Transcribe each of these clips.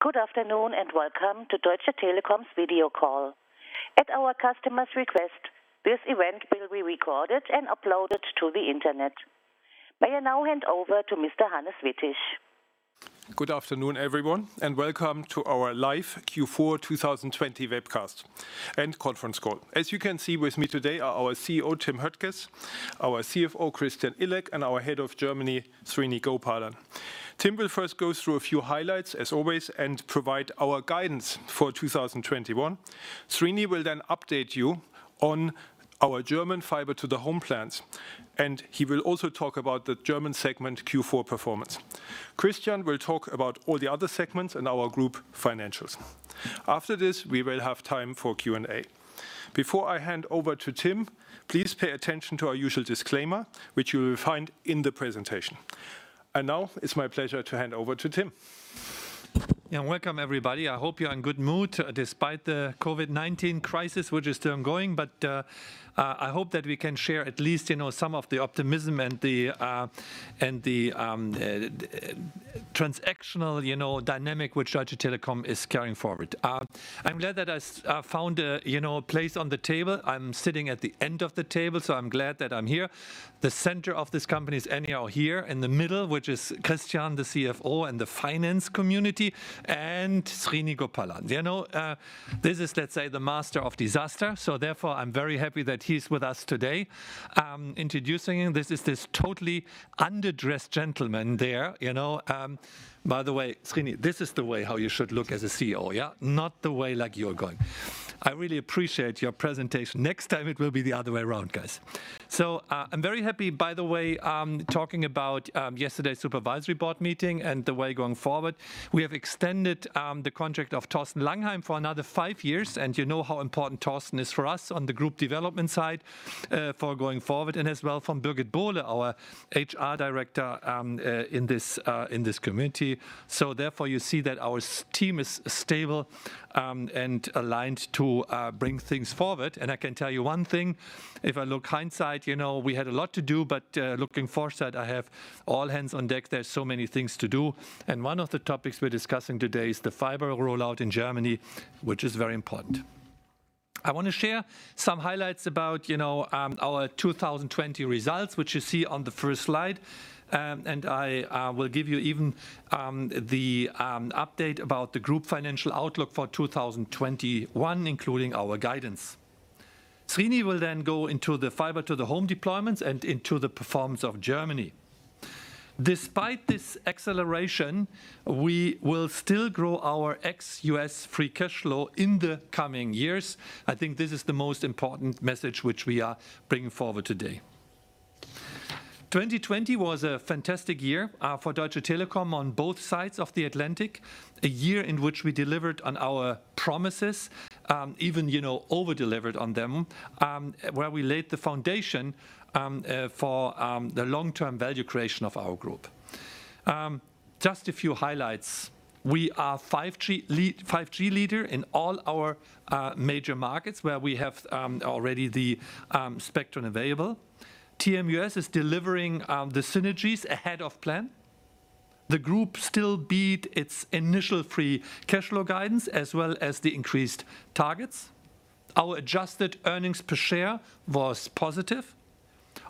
Good afternoon, welcome to Deutsche Telekom's video call. At our customer's request, this event will be recorded and uploaded to the Internet. May I now hand over to Mr. Hannes Wittig. Good afternoon, everyone, and welcome to our live Q4 2020 webcast and conference call. As you can see, with me today are our CEO, Tim Höttges, our CFO, Christian Illek, and our Head of Germany, Srini Gopalan. Tim will first go through a few highlights, as always, and provide our guidance for 2021. Srini will then update you on our German Fiber to the Home plans, and he will also talk about the German segment Q4 performance. Christian will talk about all the other segments and our group financials. After this, we will have time for Q&A. Before I hand over to Tim, please pay attention to our usual disclaimer, which you will find in the presentation. Now it's my pleasure to hand over to Tim. Welcome, everybody. I hope you're in good mood despite the COVID-19 crisis, which is still ongoing. I hope that we can share at least some of the optimism and the transactional dynamic which Deutsche Telekom is carrying forward. I'm glad that I found a place on the table. I'm sitting at the end of the table. I'm glad that I'm here. The center of this company is anyhow here in the middle, which is Christian, the CFO, and the finance community, and Srini Gopalan. This is, let's say, the master of disaster. Therefore, I'm very happy that he's with us today. Introducing him, this is this totally underdressed gentleman there. By the way, Srini, this is the way how you should look as a CEO, yeah? Not the way like you're going. I really appreciate your presentation. Next time, it will be the other way around, guys. I'm very happy, by the way, talking about yesterday's supervisory board meeting and the way going forward. We have extended the contract of Thorsten Langheim for another five years. You know how important Thorsten is for us on the Group Development side for going forward, and as well from Birgit Bohle, our HR Director in this community. Therefore, you see that our team is stable and aligned to bring things forward. I can tell you one thing, if I look hindsight, we had a lot to do, but looking foresight, I have all hands on deck. There's so many things to do. One of the topics we're discussing today is the fiber rollout in Germany, which is very important. I want to share some highlights about our 2020 results, which you see on the first slide. I will give you even the update about the group financial outlook for 2021, including our guidance. Srini will go into the Fiber to the Home deployments and into the performance of Germany. Despite this acceleration, we will still grow our ex-U.S. free cash flow in the coming years. I think this is the most important message which we are bringing forward today. 2020 was a fantastic year for Deutsche Telekom on both sides of the Atlantic, a year in which we delivered on our promises, even over-delivered on them, where we laid the foundation for the long-term value creation of our group. Just a few highlights. We are 5G leader in all our major markets where we have already the spectrum available. TMUS is delivering the synergies ahead of plan. The group still beat its initial free cash flow guidance as well as the increased targets. Our adjusted earnings per share was positive.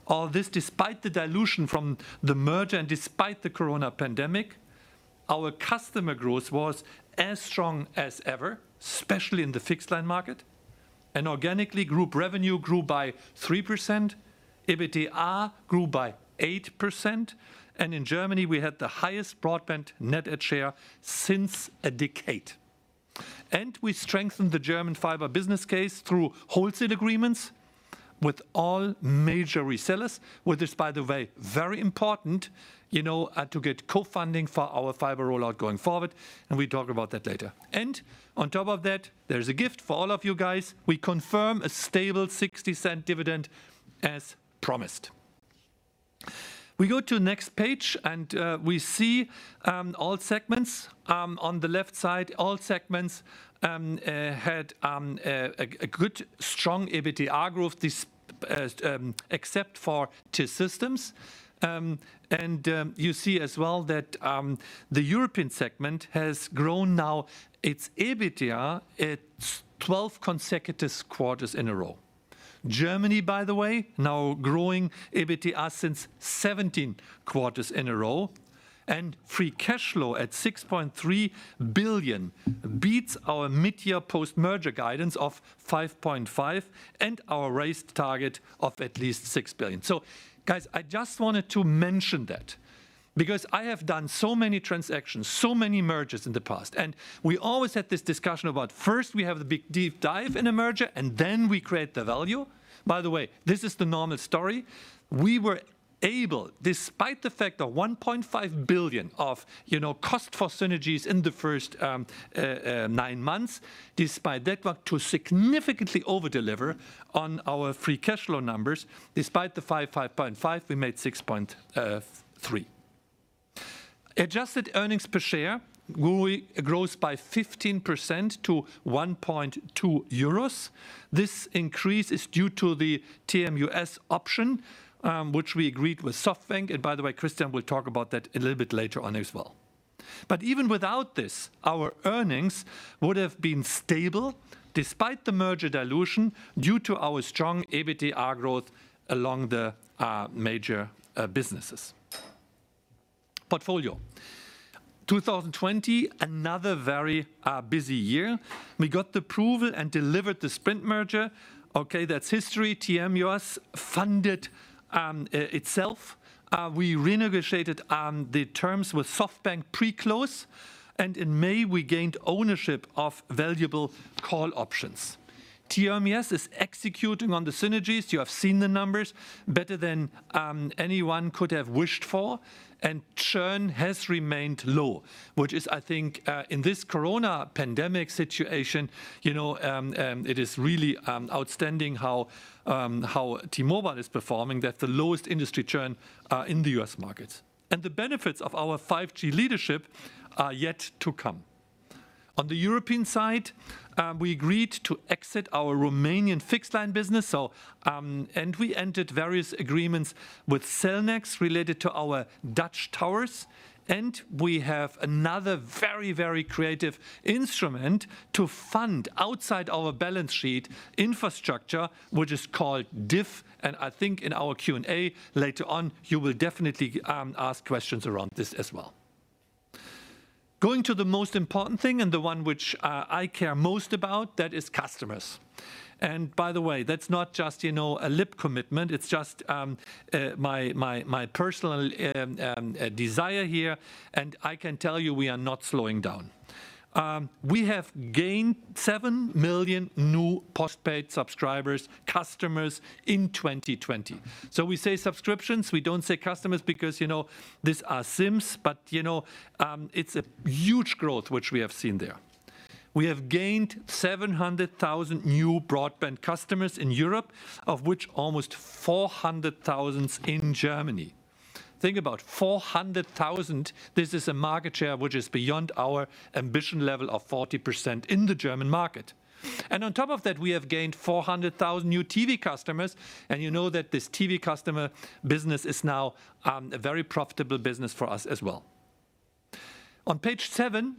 All this despite the dilution from the merger and despite the coronavirus pandemic. Our customer growth was as strong as ever, especially in the fixed line market. Organically, group revenue grew by 3%, EBITDA grew by 8%, and in Germany, we had the highest broadband net add share since a decade. We strengthened the German fiber business case through wholesale agreements with all major resellers. With this, by the way, very important, to get co-funding for our fiber rollout going forward, and we talk about that later. On top of that, there's a gift for all of you guys. We confirm a stable 0.60 dividend as promised. We go to next page, and we see all segments. On the left side, all segments had a good, strong EBITDA growth except for T-Systems. You see as well that the European segment has grown now its EBITDA at 12 consecutive quarters in a row. Germany, by the way, now growing EBITDA since 17 quarters in a row, and free cash flow at 6.3 billion beats our mid-year post-merger guidance of 5.5 billion and our raised target of at least 6 billion. Guys, I just wanted to mention that because I have done so many transactions, so many mergers in the past, and we always had this discussion about first we have the big, deep dive in a merger, and then we create the value. By the way, this is the normal story. We were able, despite the fact of 1.5 billion of cost for synergies in the first nine months, despite that, were to significantly over-deliver on our free cash flow numbers. Despite the 5.5, we made 6.3. Adjusted earnings per share grows by 15% to 1.2 euros. This increase is due to the TMUS option, which we agreed with SoftBank. Christian will talk about that a little bit later on as well. Even without this, our earnings would have been stable despite the merger dilution due to our strong EBITDA growth along the major businesses. Portfolio. 2020, another very busy year. We got the approval and delivered the Sprint merger. Okay, that's history. TMUS funded itself. We renegotiated the terms with SoftBank pre-close, and in May, we gained ownership of valuable call options. TMUS is executing on the synergies. You have seen the numbers better than anyone could have wished for, and churn has remained low. Which is, I think, in this coronavirus pandemic situation, it is really outstanding how T-Mobile is performing. That's the lowest industry churn in the U.S. market. The benefits of our 5G leadership are yet to come. On the European side, we agreed to exit our Romanian fixed line business. We entered various agreements with Cellnex related to our Dutch towers, and we have another very creative instrument to fund outside our balance sheet infrastructure, which is called DIF. I think in our Q&A later on, you will definitely ask questions around this as well. Going to the most important thing and the one which I care most about, that is customers. By the way, that's not just a lip commitment, it's just my personal desire here, and I can tell you we are not slowing down. We have gained 7 million new postpaid subscribers customers in 2020. We say subscriptions, we don't say customers because these are SIMs, but it's a huge growth which we have seen there. We have gained 700,000 new broadband customers in Europe, of which almost 400,000 in Germany. Think about 400,000. This is a market share which is beyond our ambition level of 40% in the German market. On top of that, we have gained 400,000 new TV customers, and you know that this TV customer business is now a very profitable business for us as well. On page seven,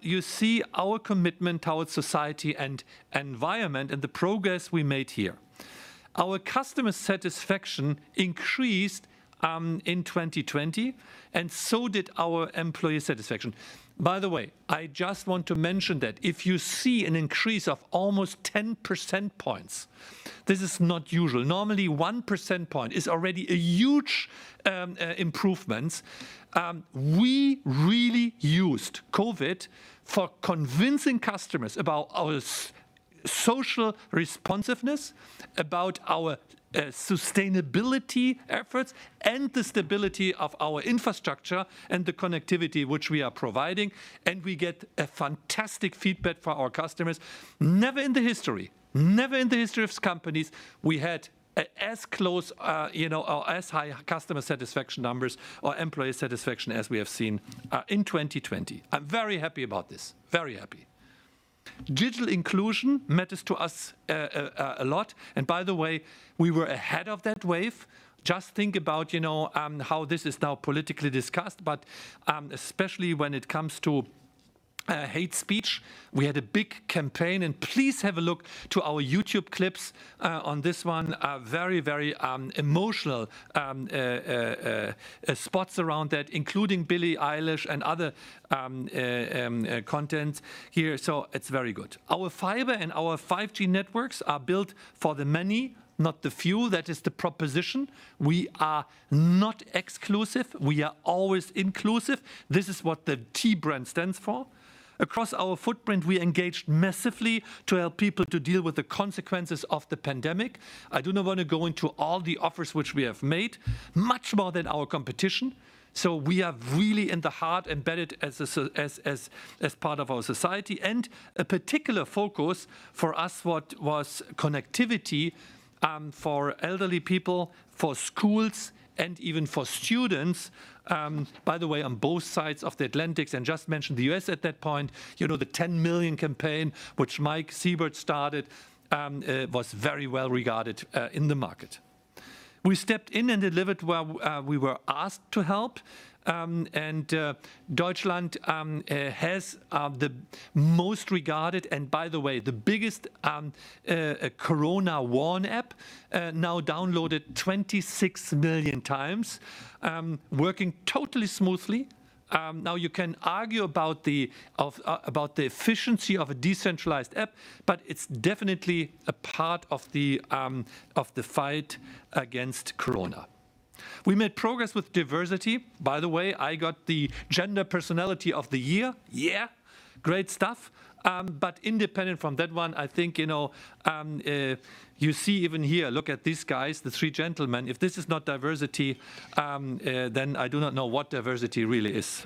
you see our commitment towards society and environment and the progress we made here. Our customer satisfaction increased in 2020, and so did our employee satisfaction. By the way, I just want to mention that if you see an increase of almost 10 percentage points, this is not usual. Normally, 1 percentage point is already a huge improvement. We really used COVID-19 for convincing customers about our social responsiveness, about our sustainability efforts, and the stability of our infrastructure and the connectivity which we are providing, and we get a fantastic feedback for our customers. Never in the history of companies, we had as high customer satisfaction numbers or employee satisfaction as we have seen in 2020. I'm very happy about this. Digital inclusion matters to us a lot. By the way, we were ahead of that wave. Just think about how this is now politically discussed. Especially when it comes to hate speech, we had a big campaign, and please have a look to our YouTube clips on this one. Very emotional spots around that, including Billie Eilish and other content here. It's very good. Our fiber and our 5G networks are built for the many, not the few. That is the proposition. We are not exclusive. We are always inclusive. This is what the T brand stands for. Across our footprint, we engaged massively to help people to deal with the consequences of the pandemic. I do not want to go into all the offers which we have made much more than our competition. We are really in the heart embedded as part of our society, and a particular focus for us what was connectivity for elderly people, for schools, and even for students. On both sides of the Atlantic and just mention the U.S. at that point, the 10 million campaign, which Mike Sievert started, was very well regarded in the market. We stepped in and delivered where we were asked to help. Deutschland has the most regarded, and by the way, the biggest Corona-Warn-App now downloaded 26 million times. Working totally smoothly. You can argue about the efficiency of a decentralized app, but it's definitely a part of the fight against corona. We made progress with diversity. I got the gender personality of the year. Yeah. Great stuff. Independent from that one, I think, you see even here, look at these guys, the three gentlemen. If this is not diversity, then I do not know what diversity really is.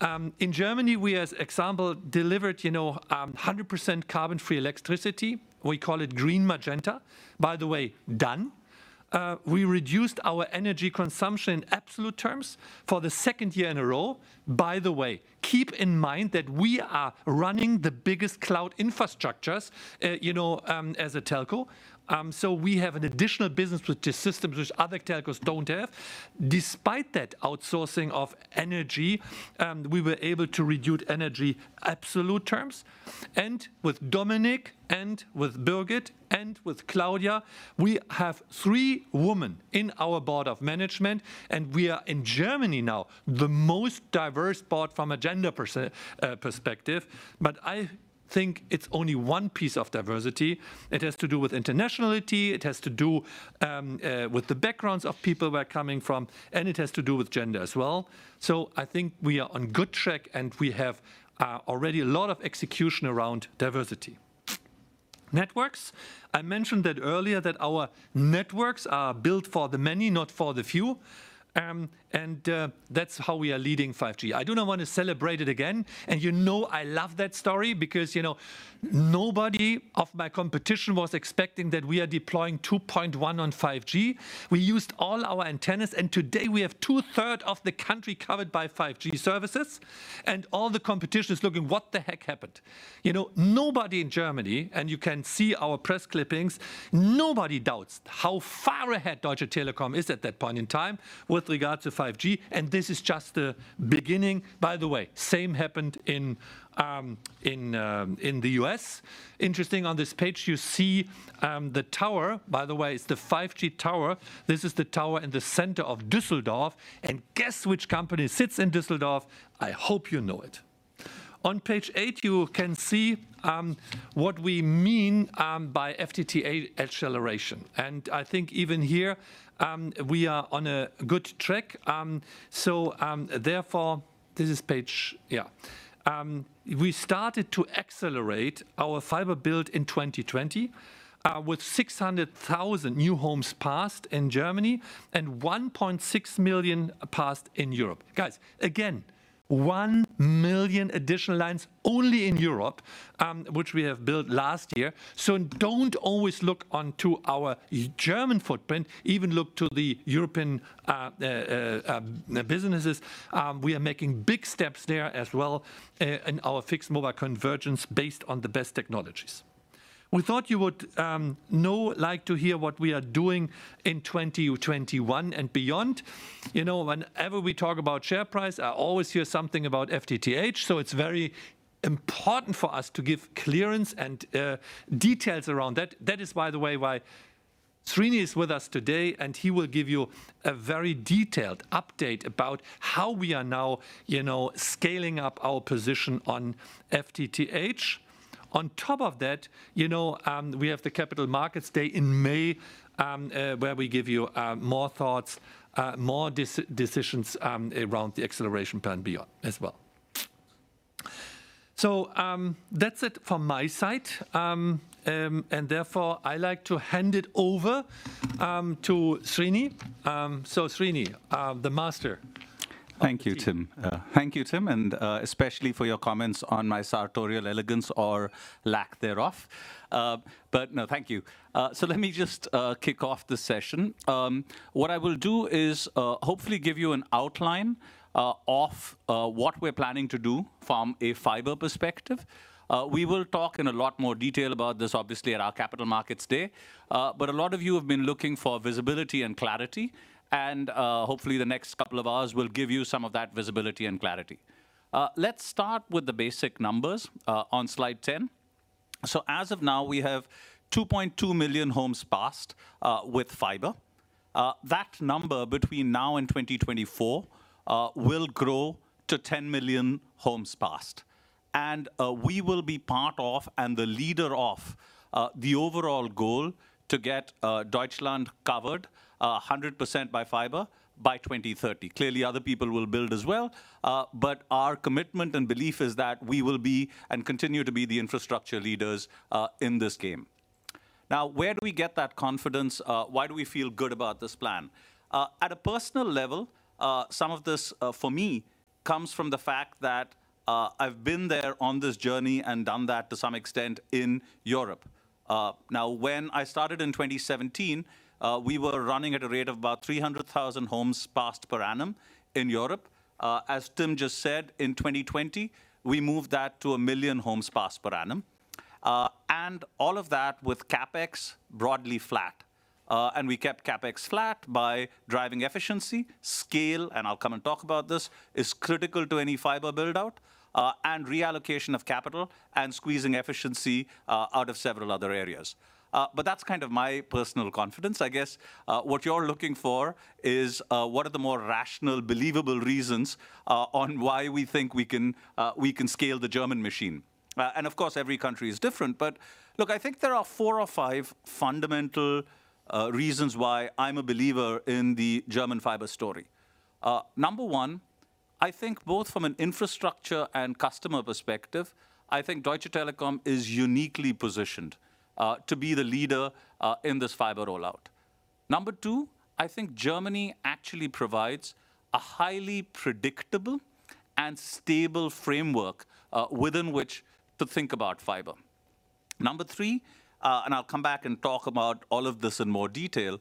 In Germany, we as example, delivered 100% carbon-free electricity. We call it Green Magenta. By the way, done. We reduced our energy consumption in absolute terms for the second year in a row. By the way, keep in mind that we are running the biggest cloud infrastructures as a telco. We have an additional business with the systems which other telcos don't have. Despite that outsourcing of energy, we were able to reduce energy absolute terms. With Dominique and with Birgit and with Claudia, we have three women in our board of management, and we are in Germany now, the most diverse board from a gender perspective. I think it's only one piece of diversity. It has to do with internationality, it has to do with the backgrounds of people we're coming from, and it has to do with gender as well. I think we are on good track, and we have already a lot of execution around diversity. Networks. I mentioned that earlier that our networks are built for the many, not for the few. That's how we are leading 5G. I do not want to celebrate it again. You know I love that story because nobody of my competition was expecting that we are deploying 2.1 on 5G. We used all our antennas, and today we have two-thirds of the country covered by 5G services. All the competition is looking, what the heck happened? Nobody in Germany, and you can see our press clippings, nobody doubts how far ahead Deutsche Telekom is at that point in time with regard to 5G, and this is just the beginning. By the way, same happened in the U.S. Interesting on this page, you see the tower. By the way, it's the 5G tower. This is the tower in the center of Düsseldorf. Guess which company sits in Düsseldorf? I hope you know it. On page eight, you can see what we mean by FTTH acceleration. I think even here, we are on a good track. Therefore, this is page. We started to accelerate our fiber build in 2020, with 600,000 new homes passed in Germany and 1.6 million passed in Europe. Guys, again, 1 million additional lines only in Europe, which we have built last year. Don't always look onto our German footprint, even look to the European businesses. We are making big steps there as well in our fixed-mobile convergence based on the best technologies. We thought you would like to hear what we are doing in 2021 and beyond. Whenever we talk about share price, I always hear something about FTTH, so it is very important for us to give clearance and details around that. That is, by the way, why Srini is with us today, and he will give you a very detailed update about how we are now scaling up our position on FTTH. On top of that, we have the Capital Markets Day in May, where we give you more thoughts, more decisions around the acceleration plan beyond as well. That's it from my side. Therefore, I like to hand it over to Srini. Srini, the master. Thank you, Tim. Thank you, Tim, and especially for your comments on my sartorial elegance or lack thereof. No, thank you. Let me just kick off the session. What I will do is hopefully give you an outline of what we're planning to do from a fiber perspective. We will talk in a lot more detail about this, obviously, at our Capital Markets Day. A lot of you have been looking for visibility and clarity, and hopefully, the next couple of hours will give you some of that visibility and clarity. Let's start with the basic numbers on slide 10. As of now, we have 2.2 million homes passed with fiber. That number between now and 2024 will grow to 10 million homes passed. We will be part of and the leader of the overall goal to get Deutschland covered 100% by fiber by 2030. Clearly, other people will build as well, but our commitment and belief is that we will be and continue to be the infrastructure leaders in this game. Where do we get that confidence? Why do we feel good about this plan? At a personal level, some of this, for me, comes from the fact that I've been there on this journey and done that to some extent in Europe. When I started in 2017, we were running at a rate of about 300,000 homes passed per annum in Europe. As Tim just said, in 2020, we moved that to 1 million homes passed per annum. All of that with CapEx broadly flat. We kept CapEx flat by driving efficiency, scale, and I'll come and talk about this, is critical to any fiber build-out, and reallocation of capital and squeezing efficiency out of several other areas. That's my personal confidence. I guess what you're looking for is what are the more rational, believable reasons on why we think we can scale the German machine. Of course, every country is different, but look, I think there are four or five fundamental reasons why I'm a believer in the German fiber story. Number one, I think both from an infrastructure and customer perspective, I think Deutsche Telekom is uniquely positioned to be the leader in this fiber rollout. Number two, I think Germany actually provides a highly predictable and stable framework within which to think about fiber. Number three, I'll come back and talk about all of this in more detail.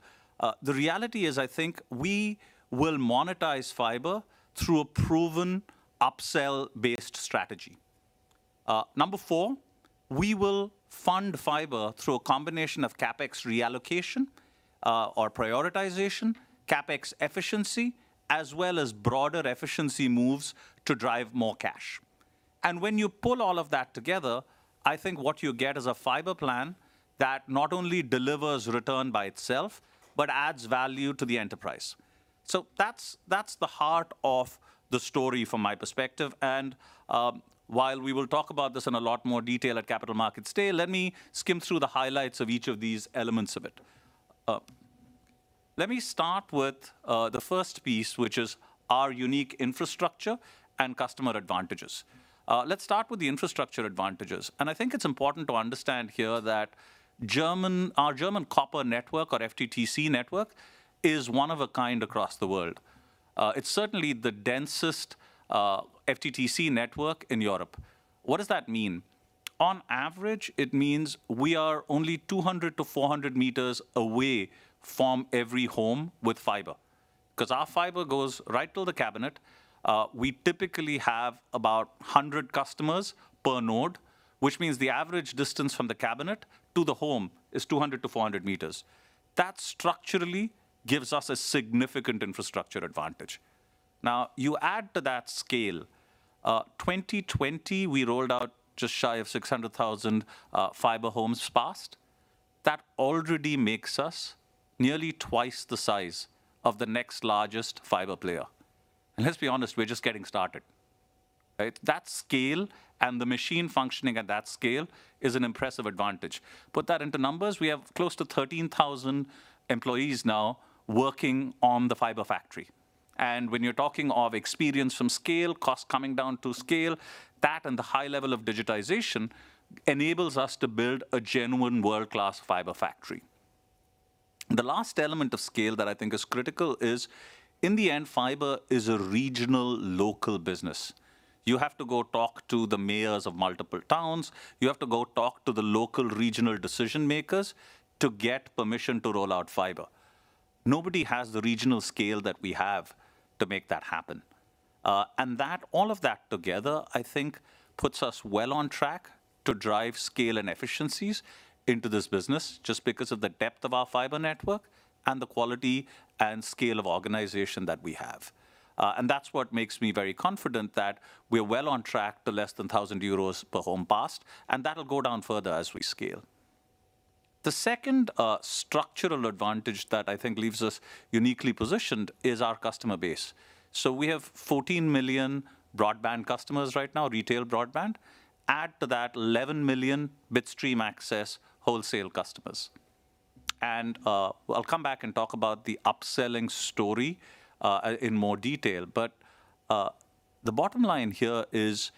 The reality is I think we will monetize fiber through a proven upsell-based strategy. Number four, we will fund fiber through a combination of CapEx reallocation or prioritization, CapEx efficiency, as well as broader efficiency moves to drive more cash. I think what you get is a fiber plan that not only delivers return by itself, but adds value to the enterprise. That's the heart of the story from my perspective, and while we will talk about this in a lot more detail at Capital Markets Day, let me skim through the highlights of each of these elements of it. Let me start with the first piece, which is our unique infrastructure and customer advantages. Let's start with the infrastructure advantages. I think it's important to understand here that our German copper network, or FTTC network, is one of a kind across the world. It's certainly the densest FTTC network in Europe. What does that mean? On average, it means we are only 200-400 meters away from every home with fiber. Our fiber goes right to the cabinet. We typically have about 100 customers per node, which means the average distance from the cabinet to the home is 200-400 meters. That structurally gives us a significant infrastructure advantage. You add to that scale. 2020, we rolled out just shy of 600,000 fiber homes passed. That already makes us nearly twice the size of the next largest fiber player. Let's be honest, we're just getting started, right? That scale and the machine functioning at that scale is an impressive advantage. Put that into numbers. We have close to 13,000 employees now working on the fiber factory. When you're talking of experience from scale, costs coming down to scale, that and the high level of digitization enables us to build a genuine world-class fiber factory. The last element of scale that I think is critical is, in the end, fiber is a regional local business. You have to go talk to the mayors of multiple towns. You have to go talk to the local regional decision-makers to get permission to roll out fiber. Nobody has the regional scale that we have to make that happen. All of that together, I think puts us well on track to drive scale and efficiencies into this business just because of the depth of our fiber network and the quality and scale of organization that we have. That's what makes me very confident that we're well on track to less than 1,000 euros per home passed, and that'll go down further as we scale. The second structural advantage that I think leaves us uniquely positioned is our customer base. We have 14 million broadband customers right now, retail broadband. Add to that 11 million bitstream access wholesale customers. I'll come back and talk about the upselling story in more detail. The bottom line here is,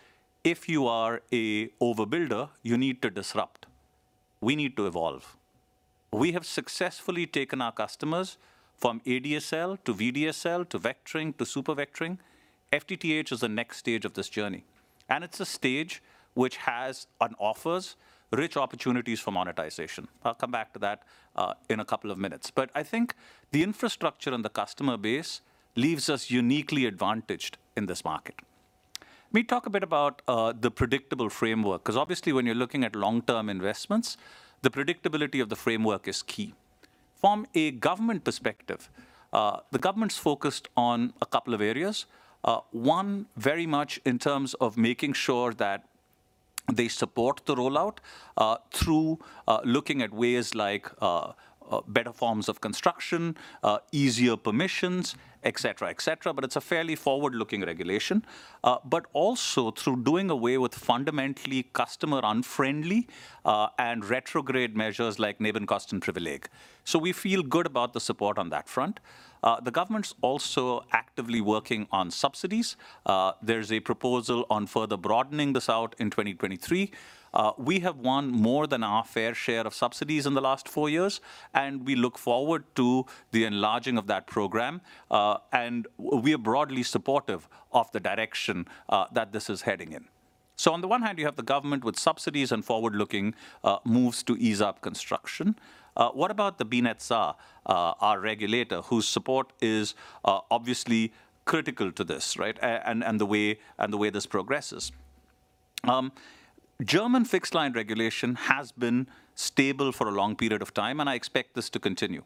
if you are a overbuilder, you need to disrupt. We need to evolve. We have successfully taken our customers from ADSL to VDSL, to vectoring, to super vectoring. FTTH is the next stage of this journey, and it's a stage which has and offers rich opportunities for monetization. I'll come back to that in a couple of minutes. I think the infrastructure and the customer base leaves us uniquely advantaged in this market. Let me talk a bit about the predictable framework, because obviously when you're looking at long-term investments, the predictability of the framework is key. From a government perspective, the government's focused on a couple of areas. One, very much in terms of making sure that they support the rollout through looking at ways like better forms of construction, easier permissions, et cetera. It's a fairly forward-looking regulation. Also through doing away with fundamentally customer-unfriendly and retrograde measures like Nebenkostenprivileg. We feel good about the support on that front. The government's also actively working on subsidies. There's a proposal on further broadening this out in 2023. We have won more than our fair share of subsidies in the last four years, and we look forward to the enlarging of that program. We are broadly supportive of the direction that this is heading in. On the one hand, you have the government with subsidies and forward-looking moves to ease up construction. What about the BNetzA, our regulator, whose support is obviously critical to this, right, and the way this progresses. German fixed line regulation has been stable for a long period of time, and I expect this to continue.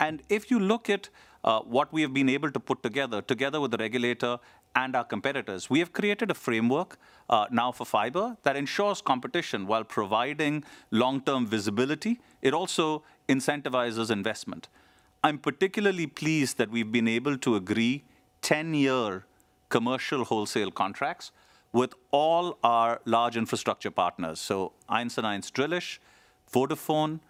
If you look at what we have been able to put together with the regulator and our competitors, we have created a framework now for fiber that ensures competition while providing long-term visibility. It also incentivizes investment. I am particularly pleased that we've been able to agree 10-year commercial wholesale contracts with all our large infrastructure partners. 1&1, Drillisch, Vodafone,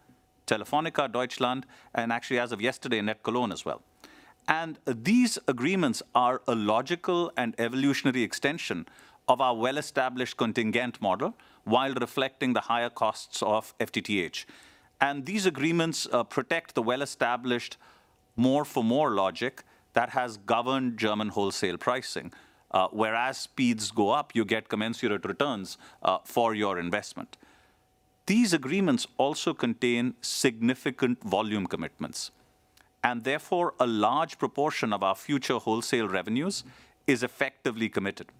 Telefónica Deutschland, and actually as of yesterday, NetCologne as well. These agreements are a logical and evolutionary extension of our well-established contingent model while reflecting the higher costs of FTTH. These agreements protect the well-established More for More logic that has governed German wholesale pricing. Whereas speeds go up, you get commensurate returns for your investment. These agreements also contain significant volume commitments, and therefore, a large proportion of our future wholesale revenues is effectively committed.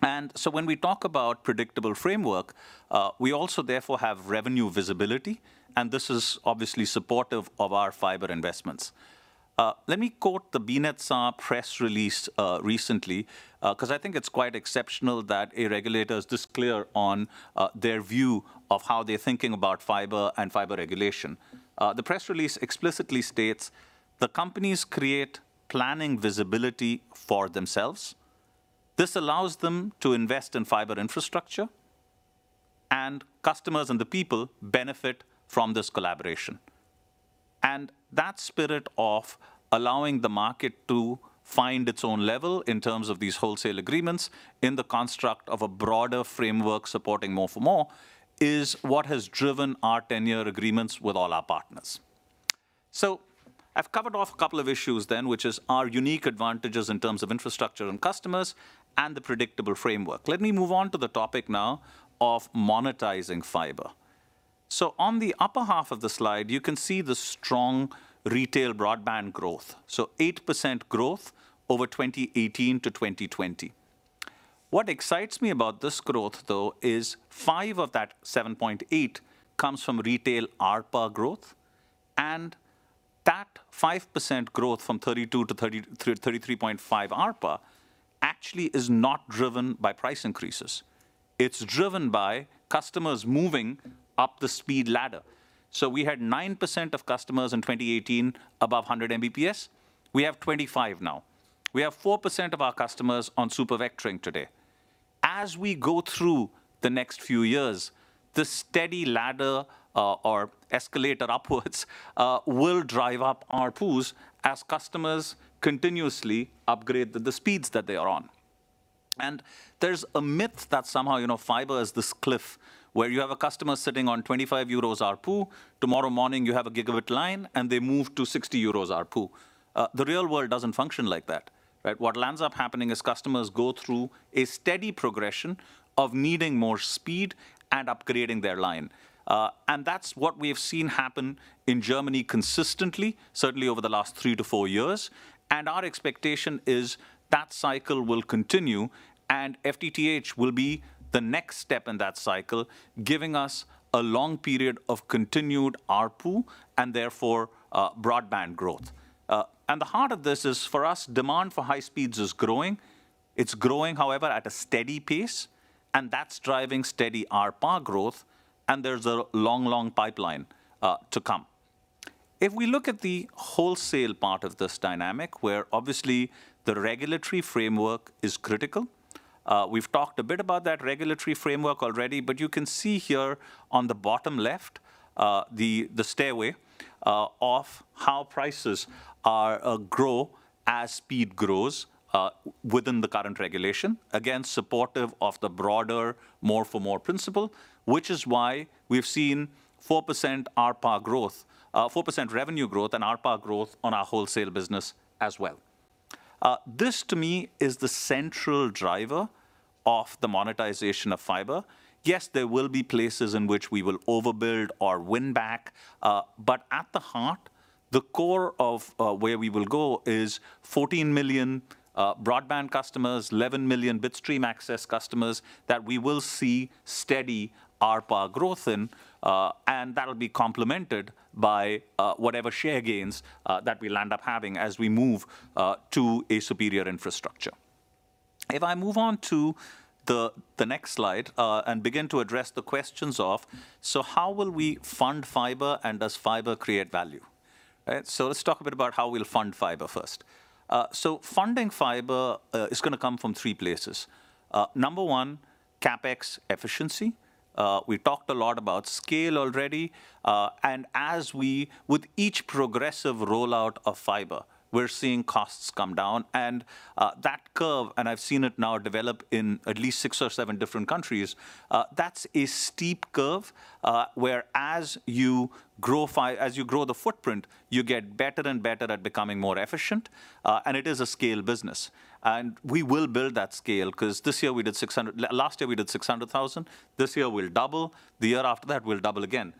When we talk about predictable framework, we also therefore have revenue visibility, and this is obviously supportive of our fiber investments. Let me quote the BNetzA press release recently, because I think it's quite exceptional that a regulator is this clear on their view of how they're thinking about fiber and fiber regulation. The press release explicitly states, "The companies create planning visibility for themselves. This allows them to invest in fiber infrastructure and customers and the people benefit from this collaboration." That spirit of allowing the market to find its own level in terms of these wholesale agreements in the construct of a broader framework supporting More for More is what has driven our 10-year agreements with all our partners. I've covered off a couple of issues then, which is our unique advantages in terms of infrastructure and customers and the predictable framework. Let me move on to the topic now of monetizing fiber. On the upper half of the slide, you can see the strong retail broadband growth. 8% growth over 2018-2020. What excites me about this growth, though, is five of that 7.8 comes from retail ARPA growth, and that 5% growth from 32-33.5 ARPA actually is not driven by price increases. It's driven by customers moving up the speed ladder. We had 9% of customers in 2018 above 100 Mbps. We have 25 now. We have 4% of our customers on super vectoring today. As we go through the next few years, the steady ladder or escalator upwards will drive up ARPUs as customers continuously upgrade the speeds that they are on. There's a myth that somehow fiber is this cliff where you have a customer sitting on 25 euros ARPU, tomorrow morning you have a gigabit line, and they move to 60 euros ARPU. The real world doesn't function like that, right? What lands up happening is customers go through a steady progression of needing more speed and upgrading their line. That's what we've seen happen in Germany consistently, certainly over the last three to four years. Our expectation is that cycle will continue and FTTH will be the next step in that cycle, giving us a long period of continued ARPU, and therefore broadband growth. The heart of this is for us, demand for high speeds is growing. It's growing, however, at a steady pace, and that's driving steady ARPA growth, and there's a long pipeline to come. If we look at the wholesale part of this dynamic, where obviously the regulatory framework is critical. We've talked a bit about that regulatory framework already, but you can see here on the bottom left, the stairway of how prices grow as speed grows within the current regulation. Supportive of the broader More for More principle, which is why we've seen 4% ARPA growth, 4% revenue growth and ARPA growth on our wholesale business as well. This to me is the central driver of the monetization of fiber. Yes, there will be places in which we will overbuild or win back. At the heart, the core of where we will go is 14 million broadband customers, 11 million bitstream access customers that we will see steady ARPA growth in. That'll be complemented by whatever share gains that we'll end up having as we move to a superior infrastructure. If I move on to the next slide, and begin to address the questions of how will we fund fiber and does fiber create value? Let's talk a bit about how we'll fund fiber first. Funding fiber is going to come from three places. Number one, CapEx efficiency. We've talked a lot about scale already. With each progressive rollout of fiber, we're seeing costs come down and that curve, I've seen it now develop in at least six or seven different countries. That's a steep curve, where as you grow the footprint, you get better and better at becoming more efficient. It is a scale business. We will build that scale because last year we did 600,000. This year, we'll double. The year after that, we'll double again.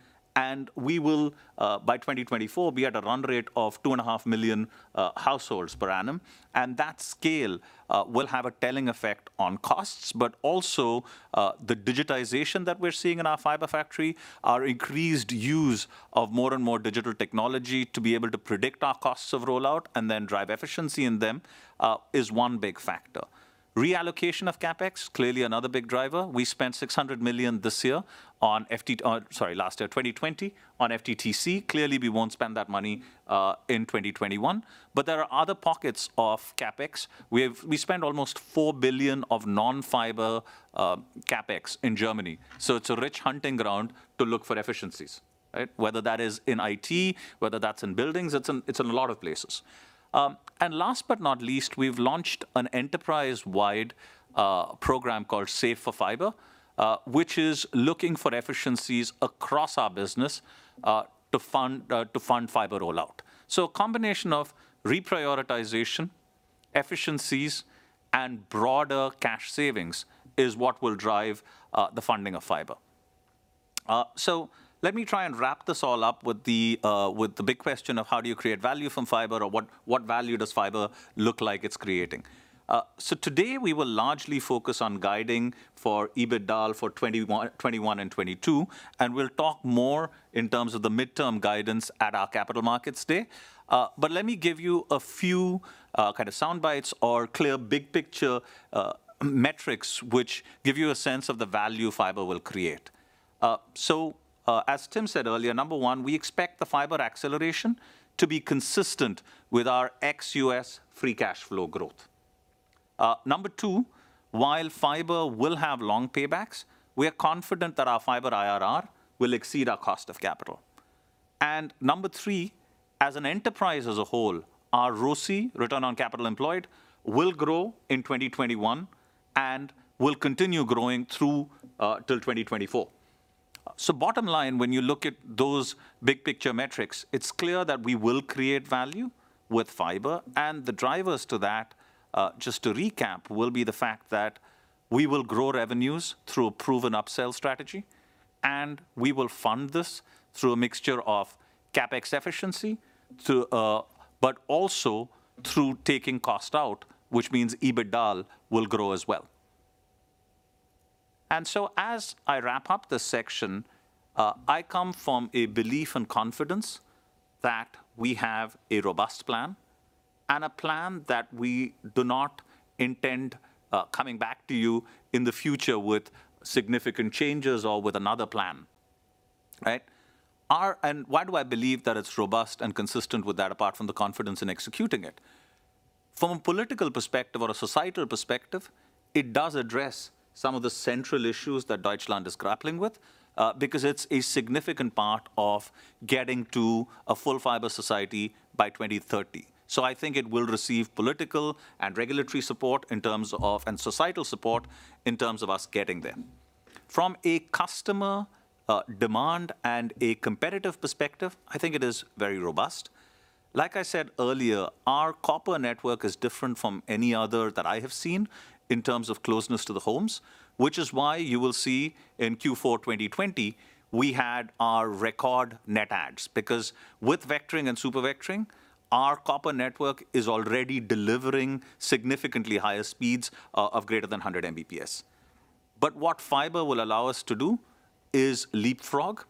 We will, by 2024, be at a run rate of 2.5 million households per annum. That scale will have a telling effect on costs, but also the digitization that we're seeing in our fiber factory, our increased use of more and more digital technology to be able to predict our costs of rollout and then drive efficiency in them, is one big factor. Reallocation of CapEx, clearly another big driver. We spent 600 million last year, 2020, on FTTC. Clearly, we won't spend that money in 2021. There are other pockets of CapEx. We spent almost 4 billion of non-fiber CapEx in Germany. It's a rich hunting ground to look for efficiencies, right? Whether that is in IT, whether that's in buildings, it's in a lot of places. Last but not least, we've launched an enterprise-wide program called Save for Fiber, which is looking for efficiencies across our business to fund fiber rollout. A combination of reprioritization, efficiencies, and broader cash savings is what will drive the funding of fiber. Let me try and wrap this all up with the big question of how do you create value from fiber or what value does fiber look like it's creating? Today, we will largely focus on guiding for EBITDA for 2021 and 2022, and we'll talk more in terms of the midterm guidance at our Capital Markets Day. Let me give you a few kind of soundbites or clear big picture metrics, which give you a sense of the value fiber will create. As Tim said earlier, number 1, we expect the fiber acceleration to be consistent with our ex U.S. free cash flow growth. Number 2, while fiber will have long paybacks, we are confident that our fiber IRR will exceed our cost of capital. Number 3, as an enterprise as a whole, our ROCE, return on capital employed, will grow in 2021 and will continue growing through till 2024. Bottom line, when you look at those big-picture metrics, it's clear that we will create value with fiber and the drivers to that, just to recap, will be the fact that we will grow revenues through a proven upsell strategy, and we will fund this through a mixture of CapEx efficiency, but also through taking cost out, which means EBITDA will grow as well. As I wrap up this section, I come from a belief and confidence that we have a robust plan and a plan that we do not intend coming back to you in the future with significant changes or with another plan. Right? Why do I believe that it's robust and consistent with that, apart from the confidence in executing it? From a political perspective or a societal perspective, it does address some of the central issues that Germany is grappling with, because it's a significant part of getting to a full fiber society by 2030. I think it will receive political and regulatory support and societal support in terms of us getting there. From a customer demand and a competitive perspective, I think it is very robust. Like I said earlier, our copper network is different from any other that I have seen in terms of closeness to the homes, which is why you will see in Q4 2020, we had our record net adds because with vectoring and super vectoring, our copper network is already delivering significantly higher speeds of greater than 100 Mbps. What fiber will allow us to do is leapfrog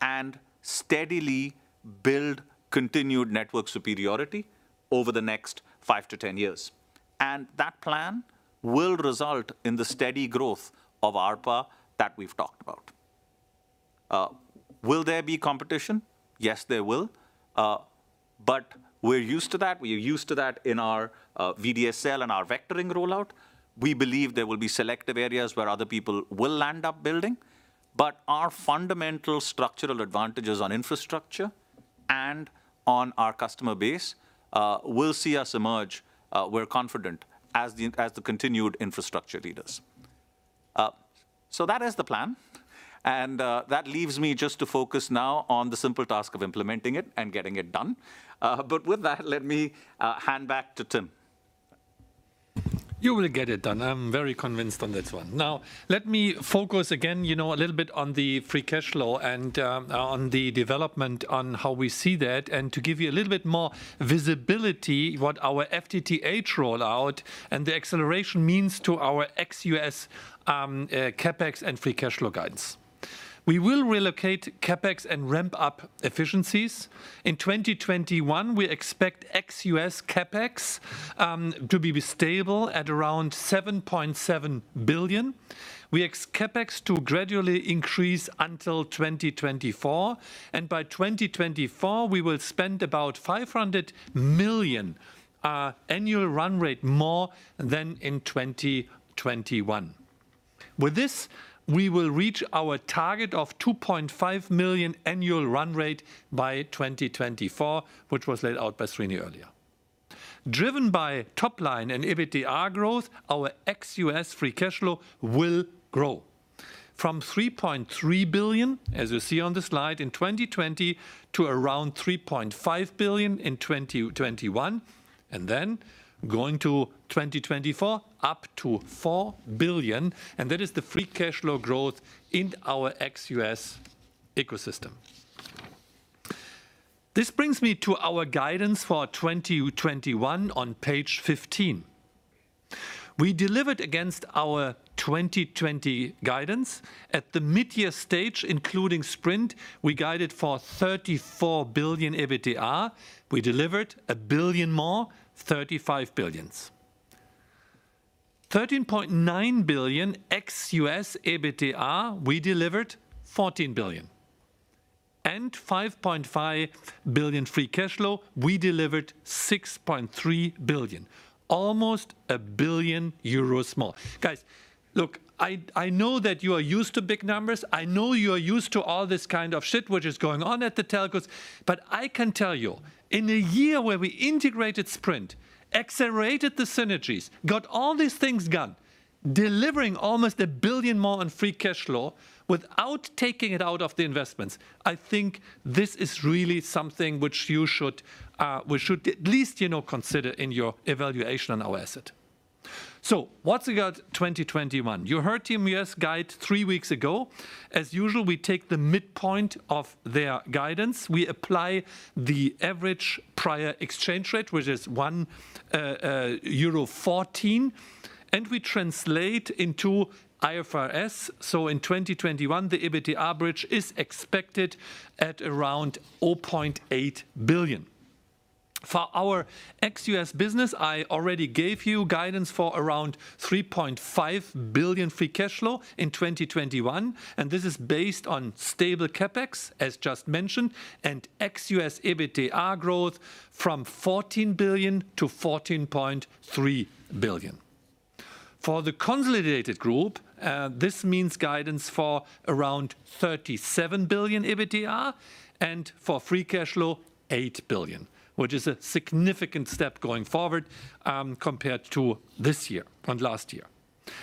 and steadily build continued network superiority over the next five to 10 years, and that plan will result in the steady growth of ARPA that we've talked about. Will there be competition? Yes, there will. We're used to that. We're used to that in our VDSL and our vectoring rollout. We believe there will be selective areas where other people will end up building, but our fundamental structural advantages on infrastructure and on our customer base will see us emerge, we're confident, as the continued infrastructure leaders. That is the plan, and that leaves me just to focus now on the simple task of implementing it and getting it done. With that, let me hand back to Tim. You will get it done. I'm very convinced on this one. Now, let me focus again a little bit on the free cash flow and on the development on how we see that, and to give you a little bit more visibility what our FTTH rollout and the acceleration means to our ex U.S. CapEx and free cash flow guidance. We will relocate CapEx and ramp up efficiencies. In 2021, we expect ex U.S. CapEx to be stable at around 7.7 billion. We expect CapEx to gradually increase until 2024, and by 2024, we will spend about 500 million annual run rate more than in 2021. With this, we will reach our target of 2.5 million annual run rate by 2024, which was laid out by Srini earlier. Driven by top line and EBITDA growth, our ex U.S. free cash flow will grow from 3.3 billion, as you see on the slide, in 2020, to around 3.5 billion in 2021, and then going to 2024, up to 4 billion, and that is the free cash flow growth in our ex U.S. ecosystem. This brings me to our guidance for 2021 on page 15. We delivered against our 2020 guidance. At the mid-year stage, including Sprint, we guided for 34 billion EBITDA. We delivered 1 billion more, 35 billions. 13.9 billion ex U.S. EBITDA, we delivered 14 billion. 5.5 billion free cash flow, we delivered 6.3 billion, almost 1 billion euros more. Guys, look, I know that you are used to big numbers. I know you are used to all this kind of shit which is going on at the telcos. I can tell you, in a year where we integrated Sprint, accelerated the synergies, got all these things done, delivering almost 1 billion more in free cash flow without taking it out of the investments, I think this is really something which we should at least consider in your evaluation on our asset. What's we got 2021? You heard T-Mobile US guide three weeks ago. As usual, we take the midpoint of their guidance. We apply the average prior exchange rate, which is 1.14 euro, and we translate into IFRS. In 2021, the EBITDA bridge is expected at around 0.8 billion. For our ex-U.S. business, I already gave you guidance for around 3.5 billion free cash flow in 2021, and this is based on stable CapEx, as just mentioned, and ex-U.S. EBITDA growth from 14 billion to 14.3 billion. For the consolidated group, this means guidance for around 37 billion EBITDA and for free cash flow, 8 billion, which is a significant step going forward compared to this year and last year.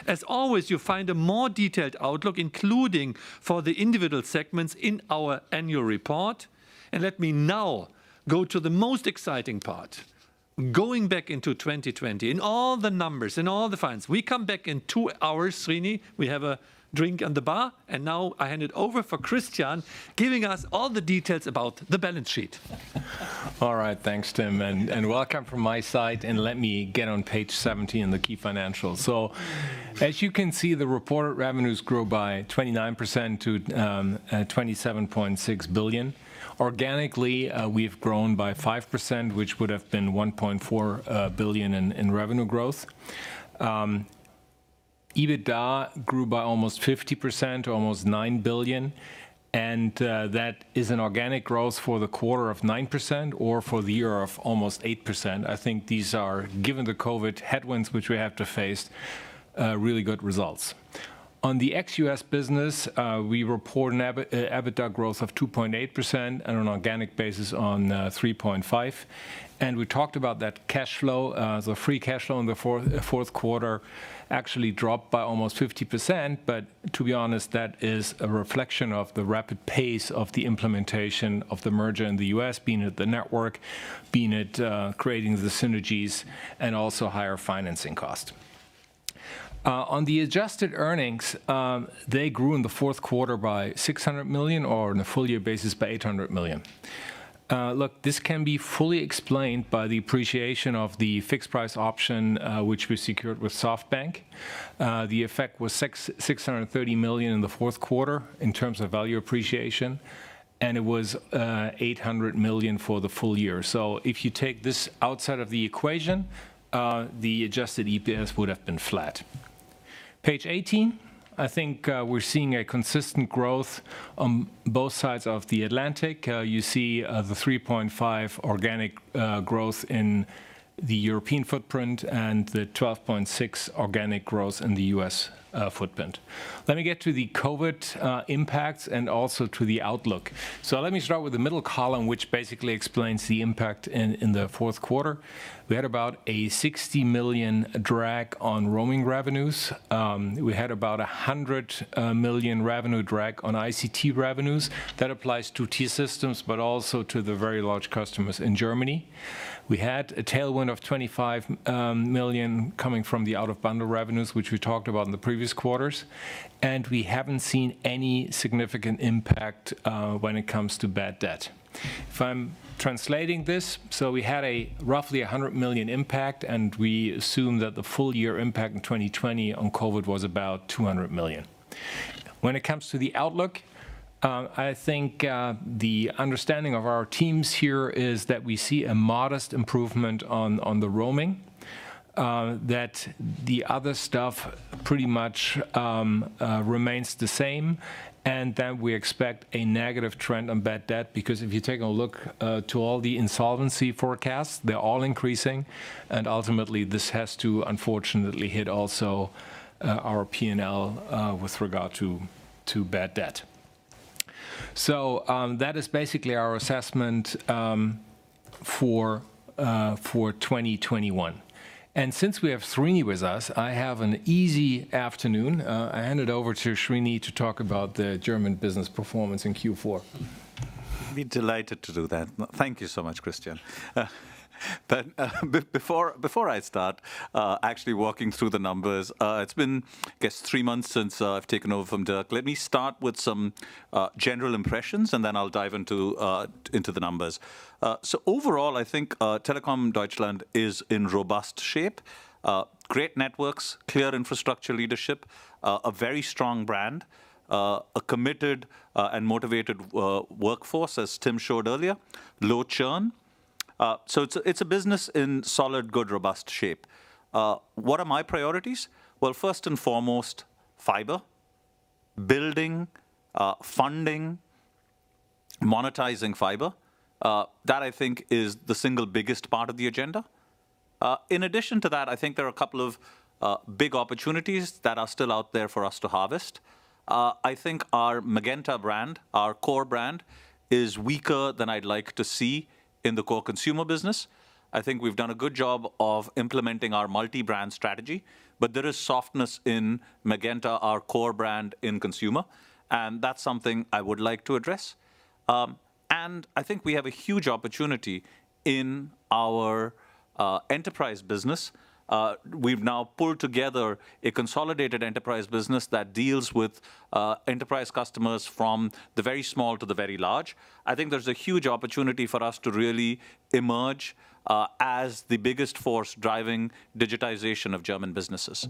As always, you'll find a more detailed outlook, including for the individual segments in our annual report. Let me now go to the most exciting part, going back into 2020 and all the numbers and all the finds. We come back in two hours, Srini. Now I hand it over for Christian, giving us all the details about the balance sheet. All right. Thanks, Tim, and welcome from my side, and let me get on page 17, the key financials. As you can see, the reported revenues grew by 29% to 27.6 billion. Organically, we've grown by 5%, which would have been 1.4 billion in revenue growth. EBITDA grew by almost 50%, almost 9 billion, and that is an organic growth for the quarter of 9% or for the year of almost 8%. I think these are, given the COVID headwinds which we have to face, really good results. On the ex-U.S. business, we report an EBITDA growth of 2.8% and an organic basis on 3.5%. We talked about that cash flow. The free cash flow in the fourth quarter actually dropped by almost 50%. To be honest, that is a reflection of the rapid pace of the implementation of the merger in the U.S., be it the network, be it creating the synergies, and also higher financing cost. On the adjusted earnings, they grew in the fourth quarter by 600 million or on a full year basis by 800 million. Look, this can be fully explained by the appreciation of the fixed price option, which we secured with SoftBank. The effect was 630 million in the fourth quarter in terms of value appreciation, and it was 800 million for the full year. If you take this outside of the equation, the Adjusted EPS would have been flat. Page 18, I think we're seeing a consistent growth on both sides of the Atlantic. You see the 3.5% organic growth in the European footprint and the 12.6% organic growth in the U.S. footprint. Let me get to the COVID impacts and also to the outlook. Let me start with the middle column, which basically explains the impact in the fourth quarter. We had about a 60 million drag on roaming revenues. We had about 100 million revenue drag on ICT revenues. That applies to T-Systems, but also to the very large customers in Germany. We had a tailwind of 25 million coming from the out-of-bundle revenues, which we talked about in the previous quarters, and we haven't seen any significant impact when it comes to bad debt. If I'm translating this, so we had a roughly 100 million impact, and we assume that the full year impact in 2020 on COVID was about 200 million. When it comes to the outlook, I think the understanding of our teams here is that we see a modest improvement on the roaming, that the other stuff pretty much remains the same. We expect a negative trend on bad debt because if you take a look to all the insolvency forecasts, they're all increasing. Ultimately, this has to unfortunately hit also our P&L with regard to bad debt. That is basically our assessment for 2021. Since we have Srini with us, I have an easy afternoon. I hand it over to Srini to talk about the German business performance in Q4. Be delighted to do that. Thank you so much, Christian. Before I start actually walking through the numbers, it's been, I guess, three months since I've taken over from Dirk. Let me start with some general impressions, and then I'll dive into the numbers. Overall, I think Telekom Deutschland is in robust shape. Great networks, clear infrastructure leadership, a very strong brand, a committed and motivated workforce as Tim showed earlier, low churn. It's a business in solid, good, robust shape. What are my priorities? Well, first and foremost, fiber. Building, funding, monetizing fiber. That I think is the single biggest part of the agenda. In addition to that, I think there are a couple of big opportunities that are still out there for us to harvest. I think our Magenta brand, our core brand, is weaker than I'd like to see in the core consumer business. I think we've done a good job of implementing our multi-brand strategy, but there is softness in Magenta, our core brand in consumer, and that's something I would like to address. I think we have a huge opportunity in our enterprise business. We've now pulled together a consolidated enterprise business that deals with enterprise customers from the very small to the very large. I think there's a huge opportunity for us to really emerge as the biggest force driving digitization of German businesses.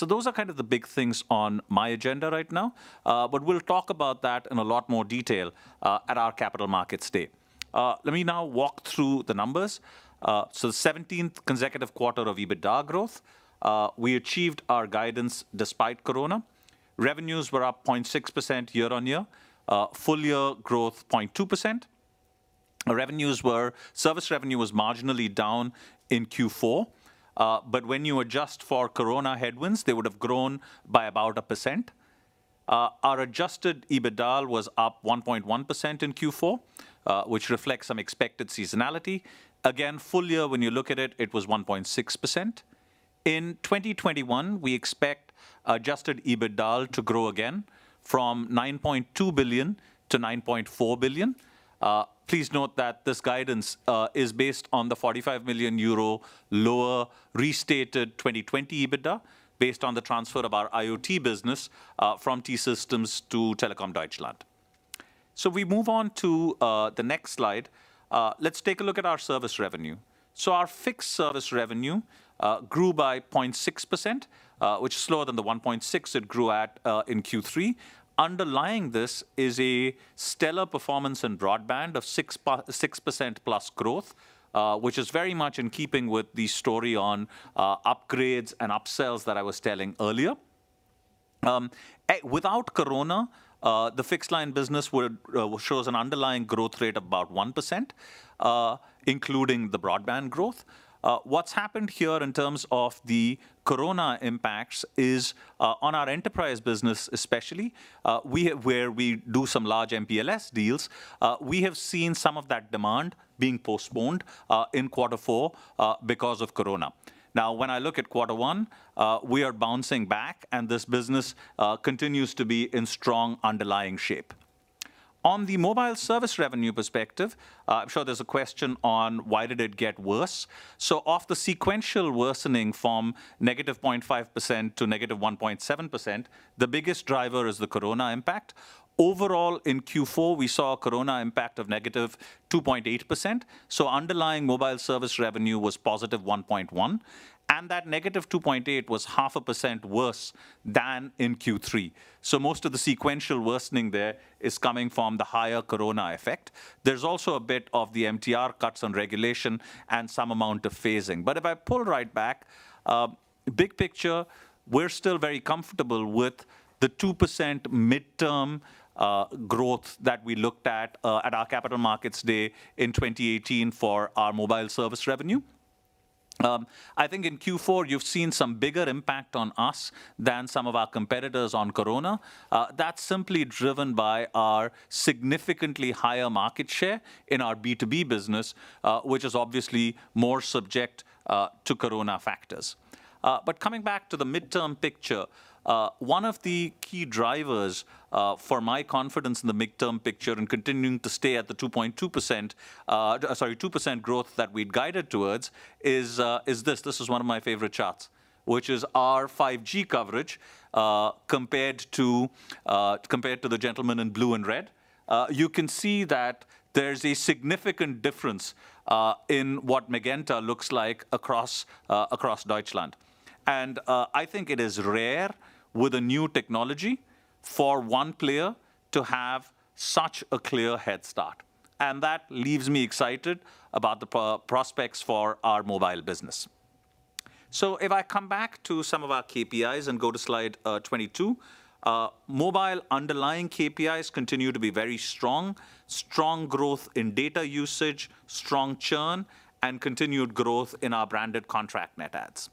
Those are kind of the big things on my agenda right now. We'll talk about that in a lot more detail at our Capital Markets Day. Let me now walk through the numbers. The 17th consecutive quarter of EBITDA growth. We achieved our guidance despite corona. Revenues were up 0.6% year-over-year. Full year growth 0.2%. Service revenue was marginally down in Q4. When you adjust for COVID-19 headwinds, they would have grown by about 1%. Our Adjusted EBITDA was up 1.1% in Q4, which reflects some expected seasonality. Full year, when you look at it was 1.6%. In 2021, we expect Adjusted EBITDA to grow again from 9.2 billion-9.4 billion. Please note that this guidance is based on the 45 million euro lower restated 2020 EBITDA, based on the transfer of our IoT business from T-Systems to Telekom Deutschland. We move on to the next slide. Let's take a look at our service revenue. Our fixed service revenue grew by 0.6%, which is slower than the 1.6% it grew at in Q3. Underlying this is a stellar performance in broadband of 6%+ growth, which is very much in keeping with the story on upgrades and upsells that I was telling earlier. Without COVID-19, the fixed line business shows an underlying growth rate about 1%, including the broadband growth. What's happened here in terms of the COVID-19 impacts is on our enterprise business especially, where we do some large MPLS deals, we have seen some of that demand being postponed in Q4 because of COVID-19. When I look at Q1, we are bouncing back, and this business continues to be in strong underlying shape. On the mobile service revenue perspective, I'm sure there's a question on why did it get worse. Off the sequential worsening from -0.5% to -1.7%, the biggest driver is the COVID-19 impact. Overall, in Q4, we saw a corona impact of negative 2.8%, so underlying mobile service revenue was positive 1.1, and that negative 2.8 was half a percent worse than in Q3. Most of the sequential worsening there is coming from the higher corona effect. There's also a bit of the MTR cuts on regulation and some amount of phasing. If I pull right back, big picture, we're still very comfortable with the 2% midterm growth that we looked at at our Capital Markets Day in 2018 for our mobile service revenue. I think in Q4, you've seen some bigger impact on us than some of our competitors on corona. That's simply driven by our significantly higher market share in our B2B business, which is obviously more subject to corona factors. Coming back to the midterm picture, one of the key drivers for my confidence in the midterm picture and continuing to stay at the 2% growth that we'd guided towards is this. This is one of my favorite charts, which is our 5G coverage compared to the gentleman in blue and red. You can see that there's a significant difference in what Magenta looks like across Deutschland. I think it is rare with a new technology for one player to have such a clear head start, and that leaves me excited about the prospects for our mobile business. If I come back to some of our KPIs and go to slide 22, mobile underlying KPIs continue to be very strong. Strong growth in data usage, strong churn, and continued growth in our branded contract net adds.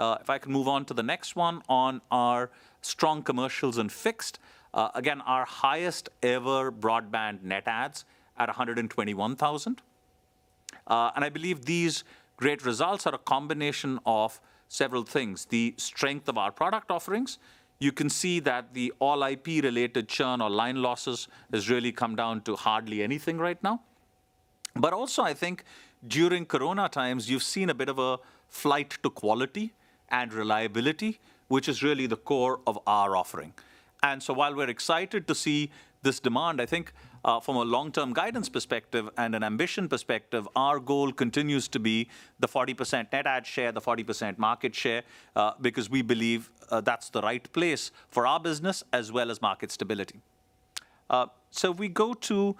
If I can move on to the next one on our strong commercials in Fixed. Again, our highest-ever broadband net adds at 121,000. I believe these great results are a combination of several things. The strength of our product offerings. You can see that the All-IP related churn or line losses has really come down to hardly anything right now. Also, I think during Corona times, you've seen a bit of a flight to quality and reliability, which is really the core of our offering. While we're excited to see this demand, I think from a long-term guidance perspective and an ambition perspective, our goal continues to be the 40% net add share, the 40% market share, because we believe that's the right place for our business as well as market stability. We go to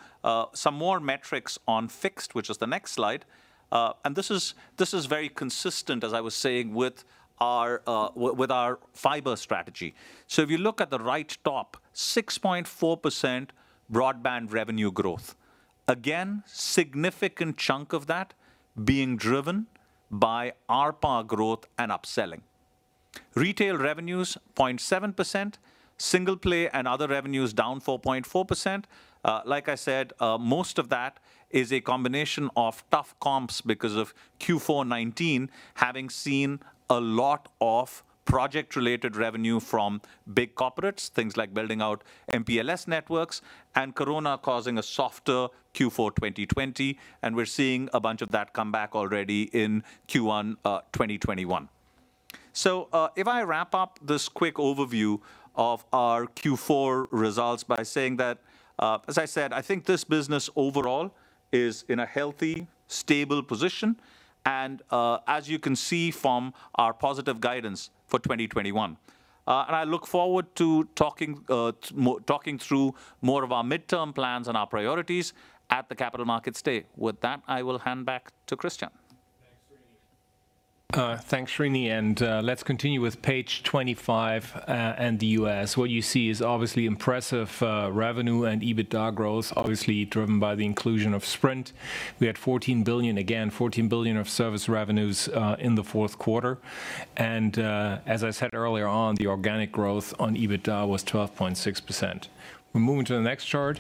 some more metrics on Fixed, which is the next slide. This is very consistent, as I was saying, with our fiber strategy. If you look at the right top, 6.4% broadband revenue growth. Again, significant chunk of that being driven by ARPA growth and upselling. Retail revenues, 0.7%, single play and other revenues down 4.4%. Like I said, most of that is a combination of tough comps because of Q4 2019 having seen a lot of project-related revenue from big corporates, things like building out MPLS networks and corona causing a softer Q4 2020, and we're seeing a bunch of that come back already in Q1 2021. If I wrap up this quick overview of our Q4 results by saying that, as I said, I think this business overall is in a healthy, stable position, as you can see from our positive guidance for 2021. I look forward to talking through more of our midterm plans and our priorities at the Capital Markets Day. With that, I will hand back to Christian. Thanks, Srini. Let's continue with page 25 and the U.S. What you see is obviously impressive revenue and EBITDA growth, obviously driven by the inclusion of Sprint. We had 14 billion, again, 14 billion of service revenues in the fourth quarter. As I said earlier on, the organic growth on EBITDA was 12.6%. We're moving to the next chart.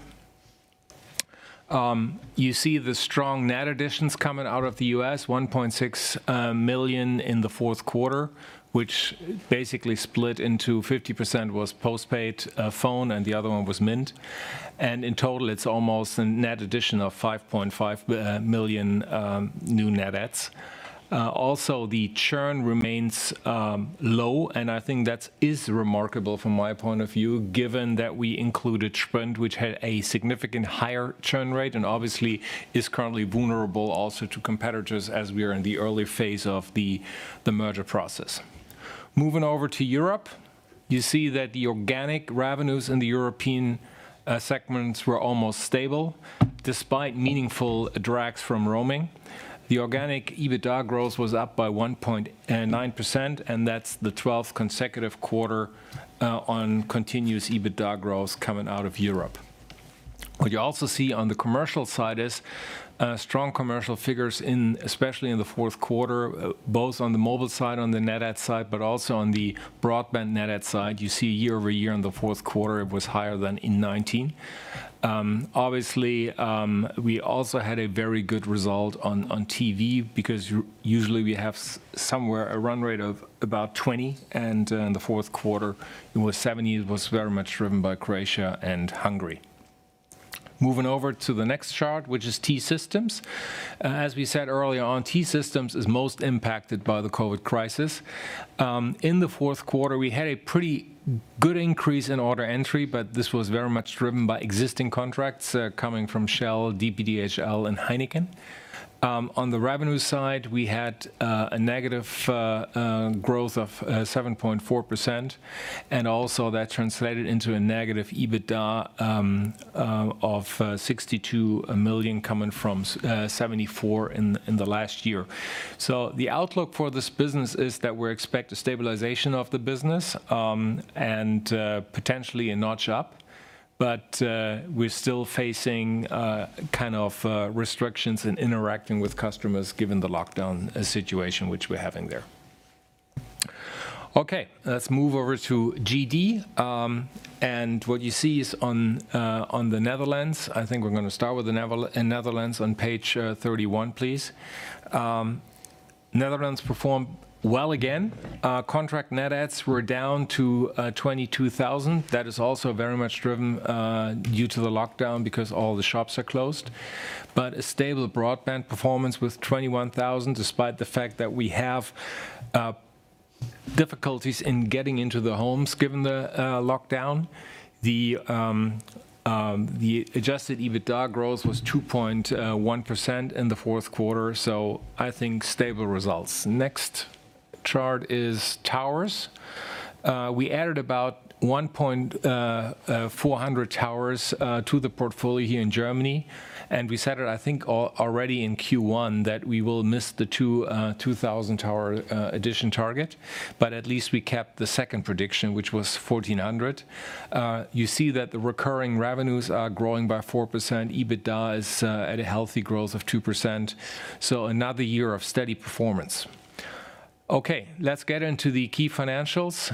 You see the strong net additions coming out of the U.S., 1.6 million in the fourth quarter, which basically split into 50% was postpaid phone and the other one was Mint. In total, it's almost a net addition of 5.5 million new net adds. The churn remains low, and I think that is remarkable from my point of view, given that we included Sprint, which had a significant higher churn rate and obviously is currently vulnerable also to competitors as we are in the early phase of the merger process. Moving over to Europe, you see that the organic revenues in the European segments were almost stable despite meaningful drags from roaming. The organic EBITDA growth was up by 1.9%, and that's the 12th consecutive quarter on continuous EBITDA growth coming out of Europe. What you also see on the commercial side is strong commercial figures, especially in the fourth quarter, both on the mobile side, on the net add side, but also on the broadband net add side. You see year-over-year in the fourth quarter, it was higher than in 2019. We also had a very good result on TV because usually we have somewhere a run rate of about 20, and in the fourth quarter it was 70. It was very much driven by Croatia and Hungary. Moving over to the next chart, which is T-Systems. As we said earlier on, T-Systems is most impacted by the COVID crisis. In the fourth quarter, we had a pretty good increase in order entry, this was very much driven by existing contracts coming from Shell, DPDHL, and Heineken. On the revenue side, we had a negative growth of 7.4%, and also that translated into a negative EBITDA of 62 million coming from 74 in the last year. The outlook for this business is that we expect a stabilization of the business, and potentially a notch up, but we're still facing restrictions in interacting with customers given the lockdown situation which we're having there. Okay. Let's move over to GD. What you see is on the Netherlands, I think we're going to start with the Netherlands on page 31, please. Netherlands performed well again. Contract net adds were down to 22,000. That is also very much driven due to the lockdown because all the shops are closed. A stable broadband performance with 21,000, despite the fact that we have difficulties in getting into the homes given the lockdown. The Adjusted EBITDA growth was 2.1% in the fourth quarter, so I think stable results. Next chart is towers. We added about 1,400 towers to the portfolio here in Germany. We said it, I think, already in Q1 that we will miss the 2,000-tower addition target. At least we kept the second prediction, which was 1,400. You see that the recurring revenues are growing by 4%. EBITDA is at a healthy growth of 2%. Another year of steady performance. Okay. Let's get into the key financials.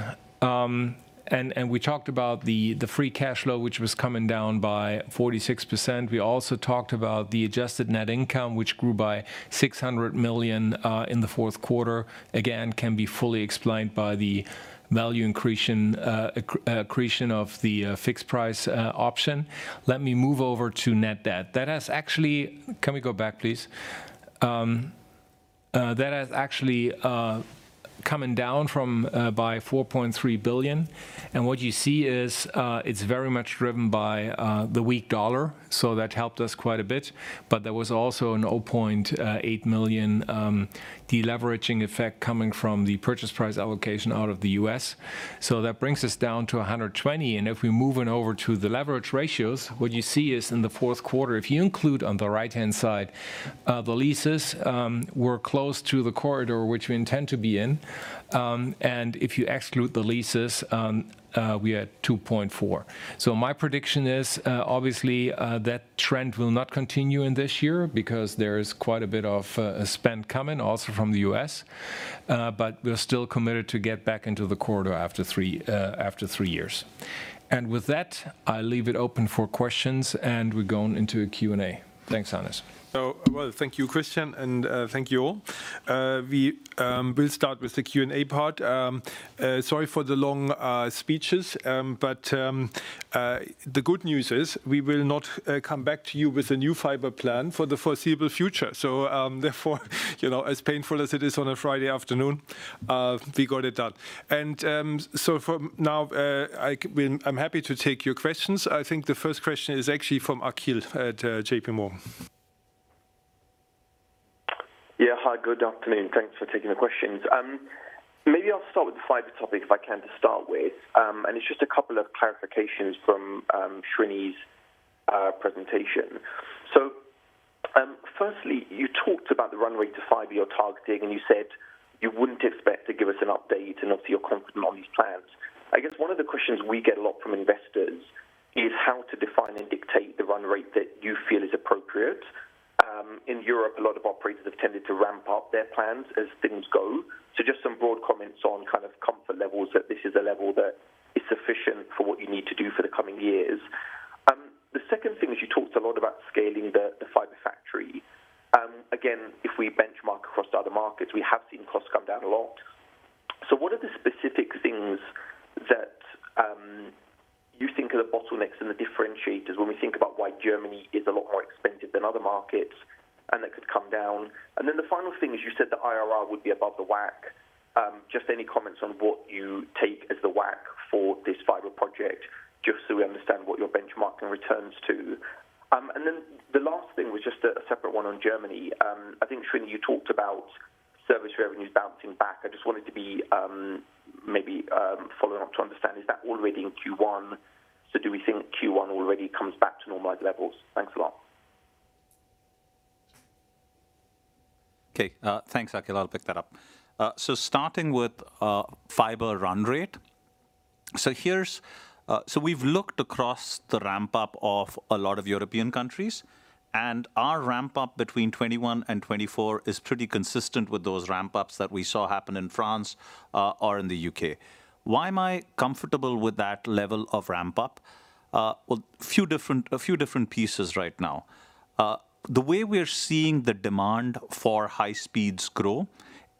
We talked about the free cash flow, which was coming down by 46%. We also talked about the adjusted net income, which grew by 600 million in the fourth quarter. Again, can be fully explained by the value accretion of the fixed price option. Let me move over to net debt. Can we go back, please? That has actually come down by 4.3 billion. What you see is, it's very much driven by the weak dollar, so that helped us quite a bit. There was also an 0.8 million de-leveraging effect coming from the Purchase Price Allocation out of the U.S. That brings us down to 120. If we're moving over to the leverage ratios, what you see is in the fourth quarter, if you include on the right-hand side, the leases were close to the corridor, which we intend to be in. If you exclude the leases, we are at 2.4. My prediction is, obviously, that trend will not continue in this year because there is quite a bit of spend coming also from the U.S. We're still committed to get back into the corridor after three years. With that, I leave it open for questions and we're going into a Q&A. Thanks, Hannes. Well, thank you, Christian, and thank you all. We will start with the Q&A part. The good news is we will not come back to you with a new fiber plan for the foreseeable future. Therefore as painful as it is on a Friday afternoon, we got it done. For now, I'm happy to take your questions. I think the first question is actually from Akhil at JPMorgan. Yeah. Hi, good afternoon. Thanks for taking the questions. Maybe I'll start with the fiber topic if I can to start with. It's just a couple of clarifications from Srini's presentation. Firstly, you talked about the run rate to fiber you're targeting, and you said you wouldn't expect to give us an update and obviously you're confident on these plans. I guess one of the questions we get a lot from investors is how to define and dictate the run rate that you feel is appropriate. In Europe, a lot of operators have tended to ramp up their plans as things go. Just some broad comments on kind of comfort levels that this is a level that is sufficient for what you need to do for the coming years. The second thing is you talked a lot about scaling the fiber factory. If we benchmark across other markets, we have seen costs come down a lot. What are the specific things that you think are the bottlenecks and the differentiators when we think about why Germany is a lot more expensive than other markets and that could come down. The final thing is, you said the IRR would be above the WACC. Just any comments on what you take as the WACC for this fiber project, just so we understand what you're benchmarking returns to. The last thing was just a separate one on Germany. I think, Srini, you talked about service revenues bouncing back. I just wanted to be maybe following up to understand, is that already in Q1? Do we think Q1 already comes back to normalized levels? Thanks a lot. Okay. Thanks, Akhil. I'll pick that up. Starting with fiber run rate. We've looked across the ramp-up of a lot of European countries, and our ramp-up between 2021 and 2024 is pretty consistent with those ramp-ups that we saw happen in France, or in the U.K. Why am I comfortable with that level of ramp-up? Well, a few different pieces right now. The way we are seeing the demand for high speeds grow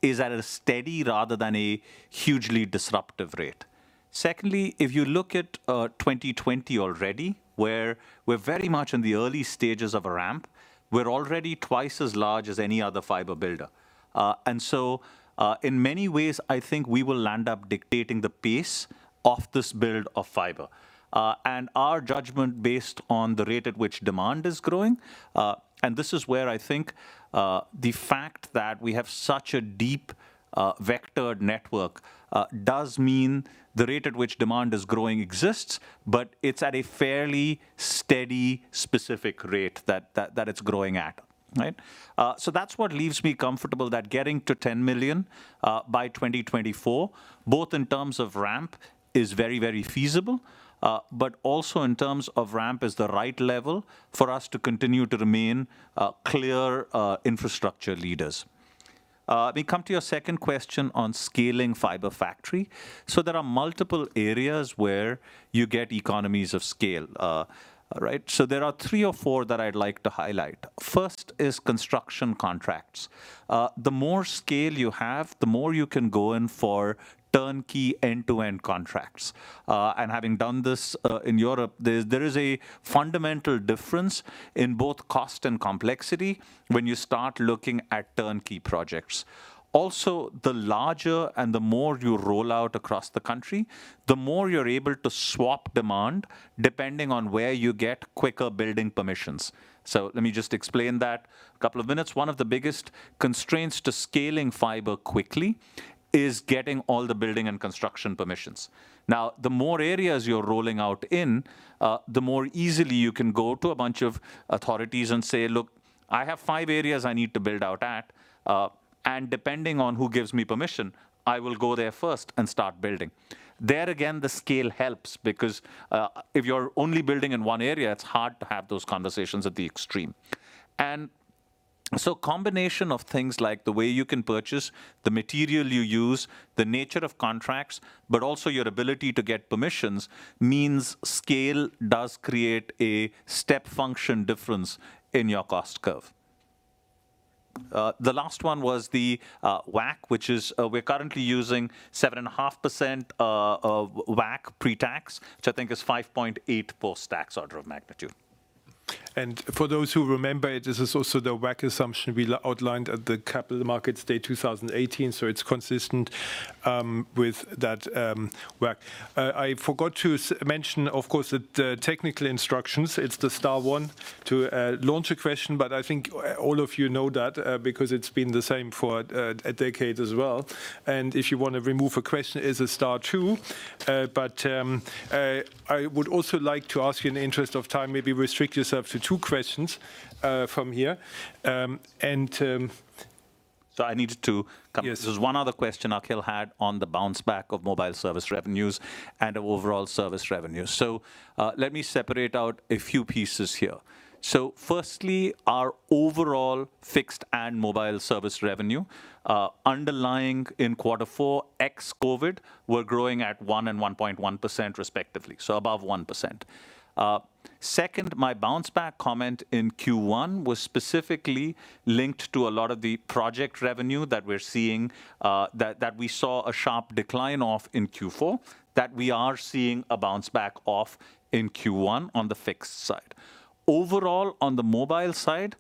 is at a steady rather than a hugely disruptive rate. Secondly, if you look at 2020 already, where we're very much in the early stages of a ramp, we're already twice as large as any other fiber builder. In many ways, I think we will land up dictating the pace of this build of fiber. Our judgment based on the rate at which demand is growing, and this is where I think the fact that we have such a deep vectored network does mean the rate at which demand is growing exists, but it's at a fairly steady, specific rate that it's growing at. That's what leaves me comfortable that getting to 10 million by 2024, both in terms of ramp, is very feasible. Also in terms of ramp is the right level for us to continue to remain clear infrastructure leaders. Let me come to your second question on scaling fiber factory. There are multiple areas where you get economies of scale. There are three or four that I'd like to highlight. First is construction contracts. The more scale you have, the more you can go in for turnkey end-to-end contracts. Having done this in Europe, there is a fundamental difference in both cost and complexity when you start looking at turnkey projects. The larger and the more you roll out across the country, the more you're able to swap demand depending on where you get quicker building permissions. Let me just explain that a couple of minutes. One of the biggest constraints to scaling fiber quickly is getting all the building and construction permissions. The more areas you're rolling out in, the more easily you can go to a bunch of authorities and say, "Look, I have five areas I need to build out at." Depending on who gives me permission, I will go there first and start building. There again, the scale helps because, if you're only building in one area, it's hard to have those conversations at the extreme. Combination of things like the way you can purchase the material you use, the nature of contracts, but also your ability to get permissions means scale does create a step function difference in your cost curve. The last one was the WACC, which is, we're currently using 7.5% of WACC pre-tax, which I think is 5.8 post-tax order of magnitude. For those who remember it, this is also the WACC assumption we outlined at the Capital Markets Day 2018. So it's consistent with that WACC. I forgot to mention, of course, the technical instructions. It's the star one to launch a question, but I think all of you know that because it's been the same for a decade as well. If you want to remove a question, it's star two. I would also like to ask you, in the interest of time, maybe restrict yourself to two questions from here. So I need to- Yes There's one other question Akhil had on the bounce back of mobile service revenues and overall service revenues. Let me separate out a few pieces here. Firstly, our overall fixed and mobile service revenue, underlying in quarter four, ex-COVID, were growing at 1% and 1.1% respectively. Above 1%. Second, my bounce back comment in Q1 was specifically linked to a lot of the project revenue that we saw a sharp decline of in Q4, that we are seeing a bounce back of in Q1 on the fixed side. Overall, on the mobile side,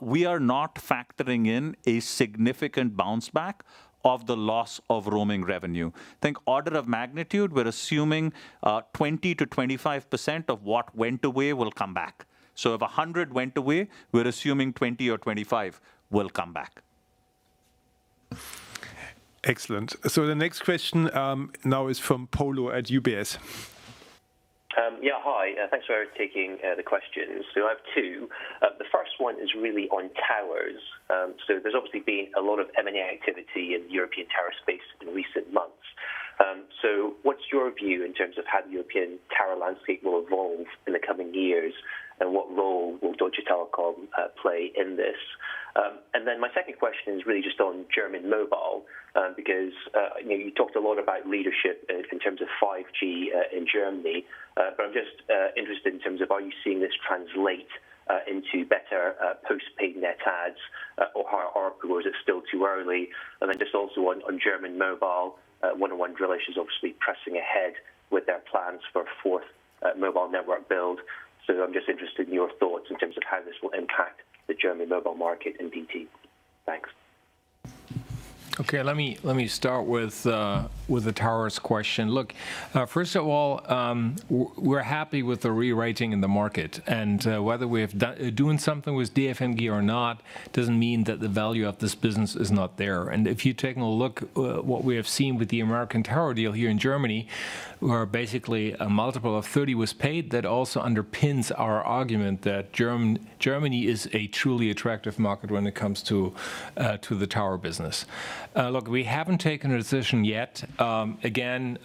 we are not factoring in a significant bounce back of the loss of roaming revenue. Think order of magnitude, we're assuming 20%-25% of what went away will come back. If 100 went away, we're assuming 20 or 25 will come back. Excellent. The next question now is from Polo at UBS. Yeah, hi. Thanks for taking the questions. I have two. The first one is really on towers. There's obviously been a lot of M&A activity in the European tower space in recent months. What's your view in terms of how the European tower landscape will evolve in the coming years, and what role will Deutsche Telekom play in this? My second question is really just on German mobile, because you talked a lot about leadership in terms of 5G in Germany. I'm just interested in terms of, are you seeing this translate into better postpaid net adds or higher ARPU, or is it still too early? Just also on German mobile, 1&1 Drillisch is obviously pressing ahead with their plans for a fourth mobile network build. I'm just interested in your thoughts in terms of how this will impact the German mobile market and DT? Thanks. Okay. Let me start with the towers question. Look, first of all, we're happy with the rewriting in the market. Whether we're doing something with DFMG or not, doesn't mean that the value of this business is not there. If you've taken a look what we have seen with the American Tower deal here in Germany, where basically a multiple of 30 was paid, that also underpins our argument that Germany is a truly attractive market when it comes to the tower business. Look, we haven't taken a decision yet. Again,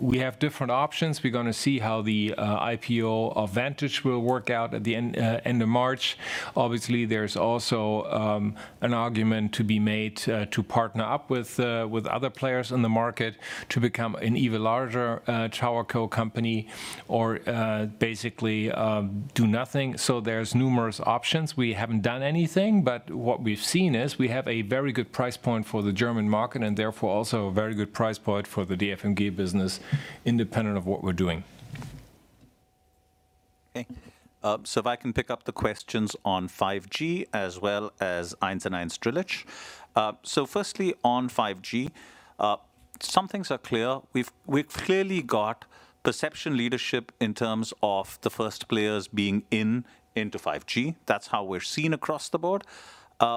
we have different options. We're going to see how the IPO of Vantage will work out at the end of March. Obviously, there's also an argument to be made to partner up with other players in the market to become an even larger tower company or basically do nothing. There's numerous options. We haven't done anything, but what we've seen is we have a very good price point for the German market and therefore also a very good price point for the DFMG business independent of what we're doing. Okay. If I can pick up the questions on 5G as well as 1&1 Drillisch. Firstly, on 5G, some things are clear. We've clearly got perception leadership in terms of the first players being into 5G. That's how we're seen across the board.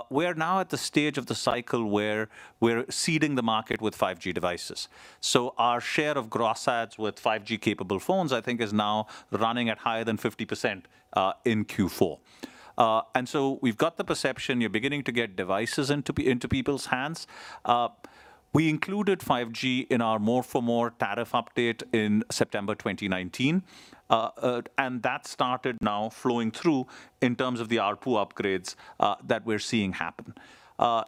We're now at the stage of the cycle where we're seeding the market with 5G devices. Our share of gross adds with 5G capable phones, I think, is now running at higher than 50% in Q4. We've got the perception. You're beginning to get devices into people's hands. We included 5G in our More for More tariff update in September 2019. That started now flowing through in terms of the ARPU upgrades that we're seeing happen. From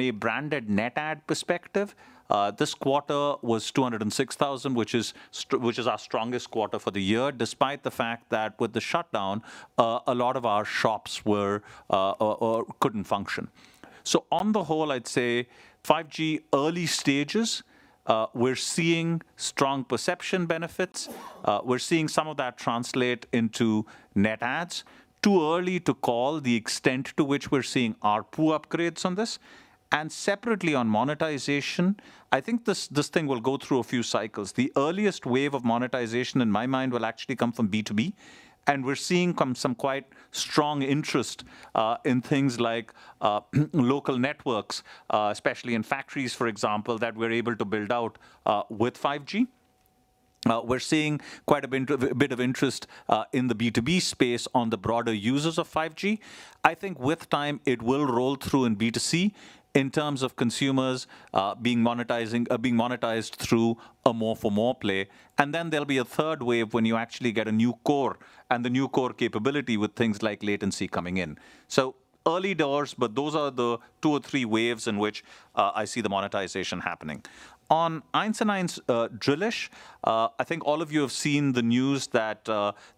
a branded net add perspective, this quarter was 206,000, which is our strongest quarter for the year, despite the fact that with the shutdown, a lot of our shops couldn't function. On the whole, I'd say 5G, early stages. We're seeing strong perception benefits. We're seeing some of that translate into net adds. Too early to call the extent to which we're seeing ARPU upgrades on this. Separately on monetization, I think this thing will go through a few cycles. The earliest wave of monetization, in my mind, will actually come from B2B. We're seeing some quite strong interest in things like local networks, especially in factories, for example, that we're able to build out with 5G. We're seeing quite a bit of interest in the B2B space on the broader users of 5G. I think with time, it will roll through in B2C in terms of consumers being monetized through a More for More play. There'll be a third wave when you actually get a new core and the new core capability with things like latency coming in. Early doors, but those are the two or three waves in which I see the monetization happening. On 1&1 Drillisch, I think all of you have seen the news that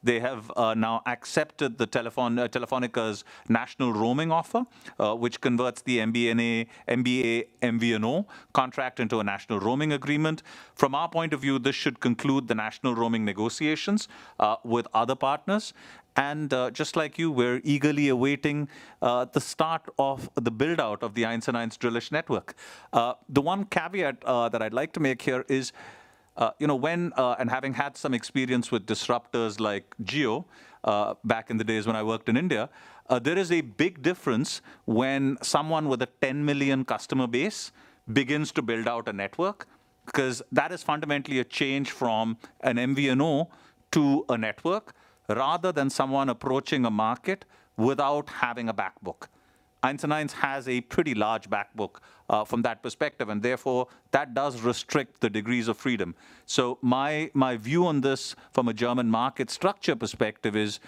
they have now accepted Telefónica's national roaming offer, which converts the MVNO contract into a national roaming agreement. From our point of view, this should conclude the national roaming negotiations with other partners. Just like you, we're eagerly awaiting the start of the build-out of the 1&1 Drillisch network. The one caveat that I'd like to make here is. When, and having had some experience with disruptors like Jio back in the days when I worked in India, there is a big difference when someone with a 10 million customer base begins to build out a network. That is fundamentally a change from an MVNO to a network, rather than someone approaching a market without having a back book. 1&1 has a pretty large back book from that perspective, and therefore that does restrict the degrees of freedom. My view on this from a German market structure perspective is,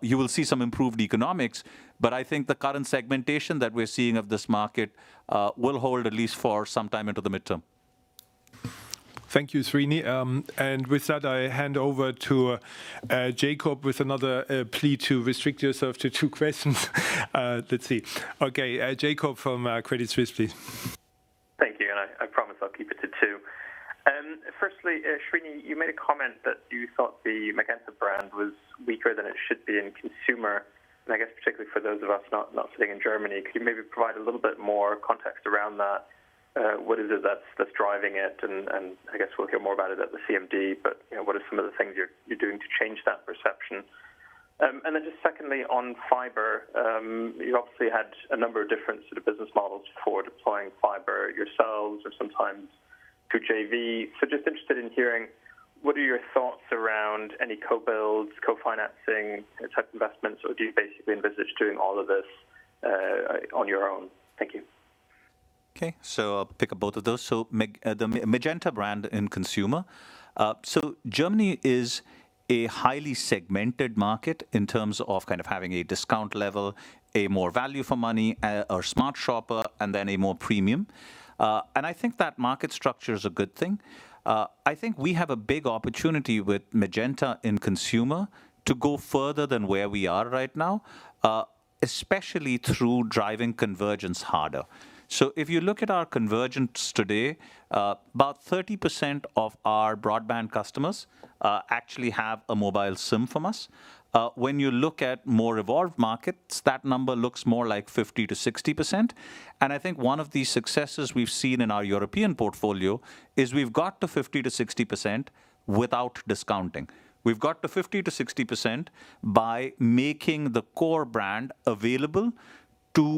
you will see some improved economics, but I think the current segmentation that we're seeing of this market will hold at least for some time into the midterm. Thank you, Srini. With that, I hand over to Jakob with another plea to restrict yourself to two questions. Let's see. Okay. Jakob from Credit Suisse, please. Thank you. I promise I'll keep it to two. Firstly, Srini, you made a comment that you thought the Magenta brand was weaker than it should be in consumer. I guess particularly for those of us not sitting in Germany, could you maybe provide a little bit more context around that? What is it that's driving it? I guess we'll hear more about it at the CMD, but what are some of the things you're doing to change that perception? Then just secondly, on fiber, you obviously had a number of different sort of business models for deploying fiber yourselves or sometimes through JV. Just interested in hearing what are your thoughts around any co-build, co-financing type investments, or do you basically envisage doing all of this on your own? Thank you. Okay. I'll pick up both of those. The Magenta brand in consumer. Germany is a highly segmented market in terms of kind of having a discount level, a more value for money, or smart shopper, and then a more premium. I think that market structure is a good thing. I think we have a big opportunity with Magenta in consumer to go further than where we are right now, especially through driving convergence harder. If you look at our convergence today, about 30% of our broadband customers actually have a mobile SIM from us. When you look at more evolved markets, that number looks more like 50%-60%. I think one of the successes we've seen in our European portfolio is we've got to 50%-60% without discounting. We've got to 50%-60% by making the core brand available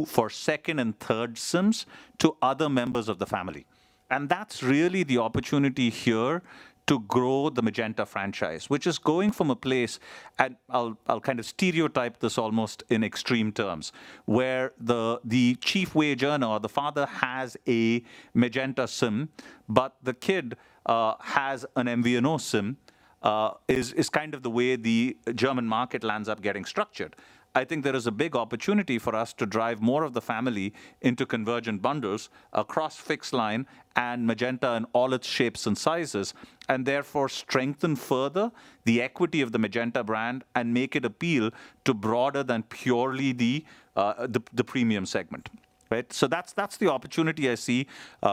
for second and third SIMs to other members of the family. That's really the opportunity here to grow the Magenta franchise, which is going from a place, and I'll kind of stereotype this almost in extreme terms, where the chief wage earner or the father has a Magenta SIM, but the kid has an MVNO SIM, which is kind of the way the German market lands up getting structured. I think there is a big opportunity for us to drive more of the family into convergent bundles across fixed-line and Magenta in all its shapes and sizes, and therefore strengthen further the equity of the Magenta brand and make it appeal to broader than purely the premium segment. Right? That's the opportunity I see,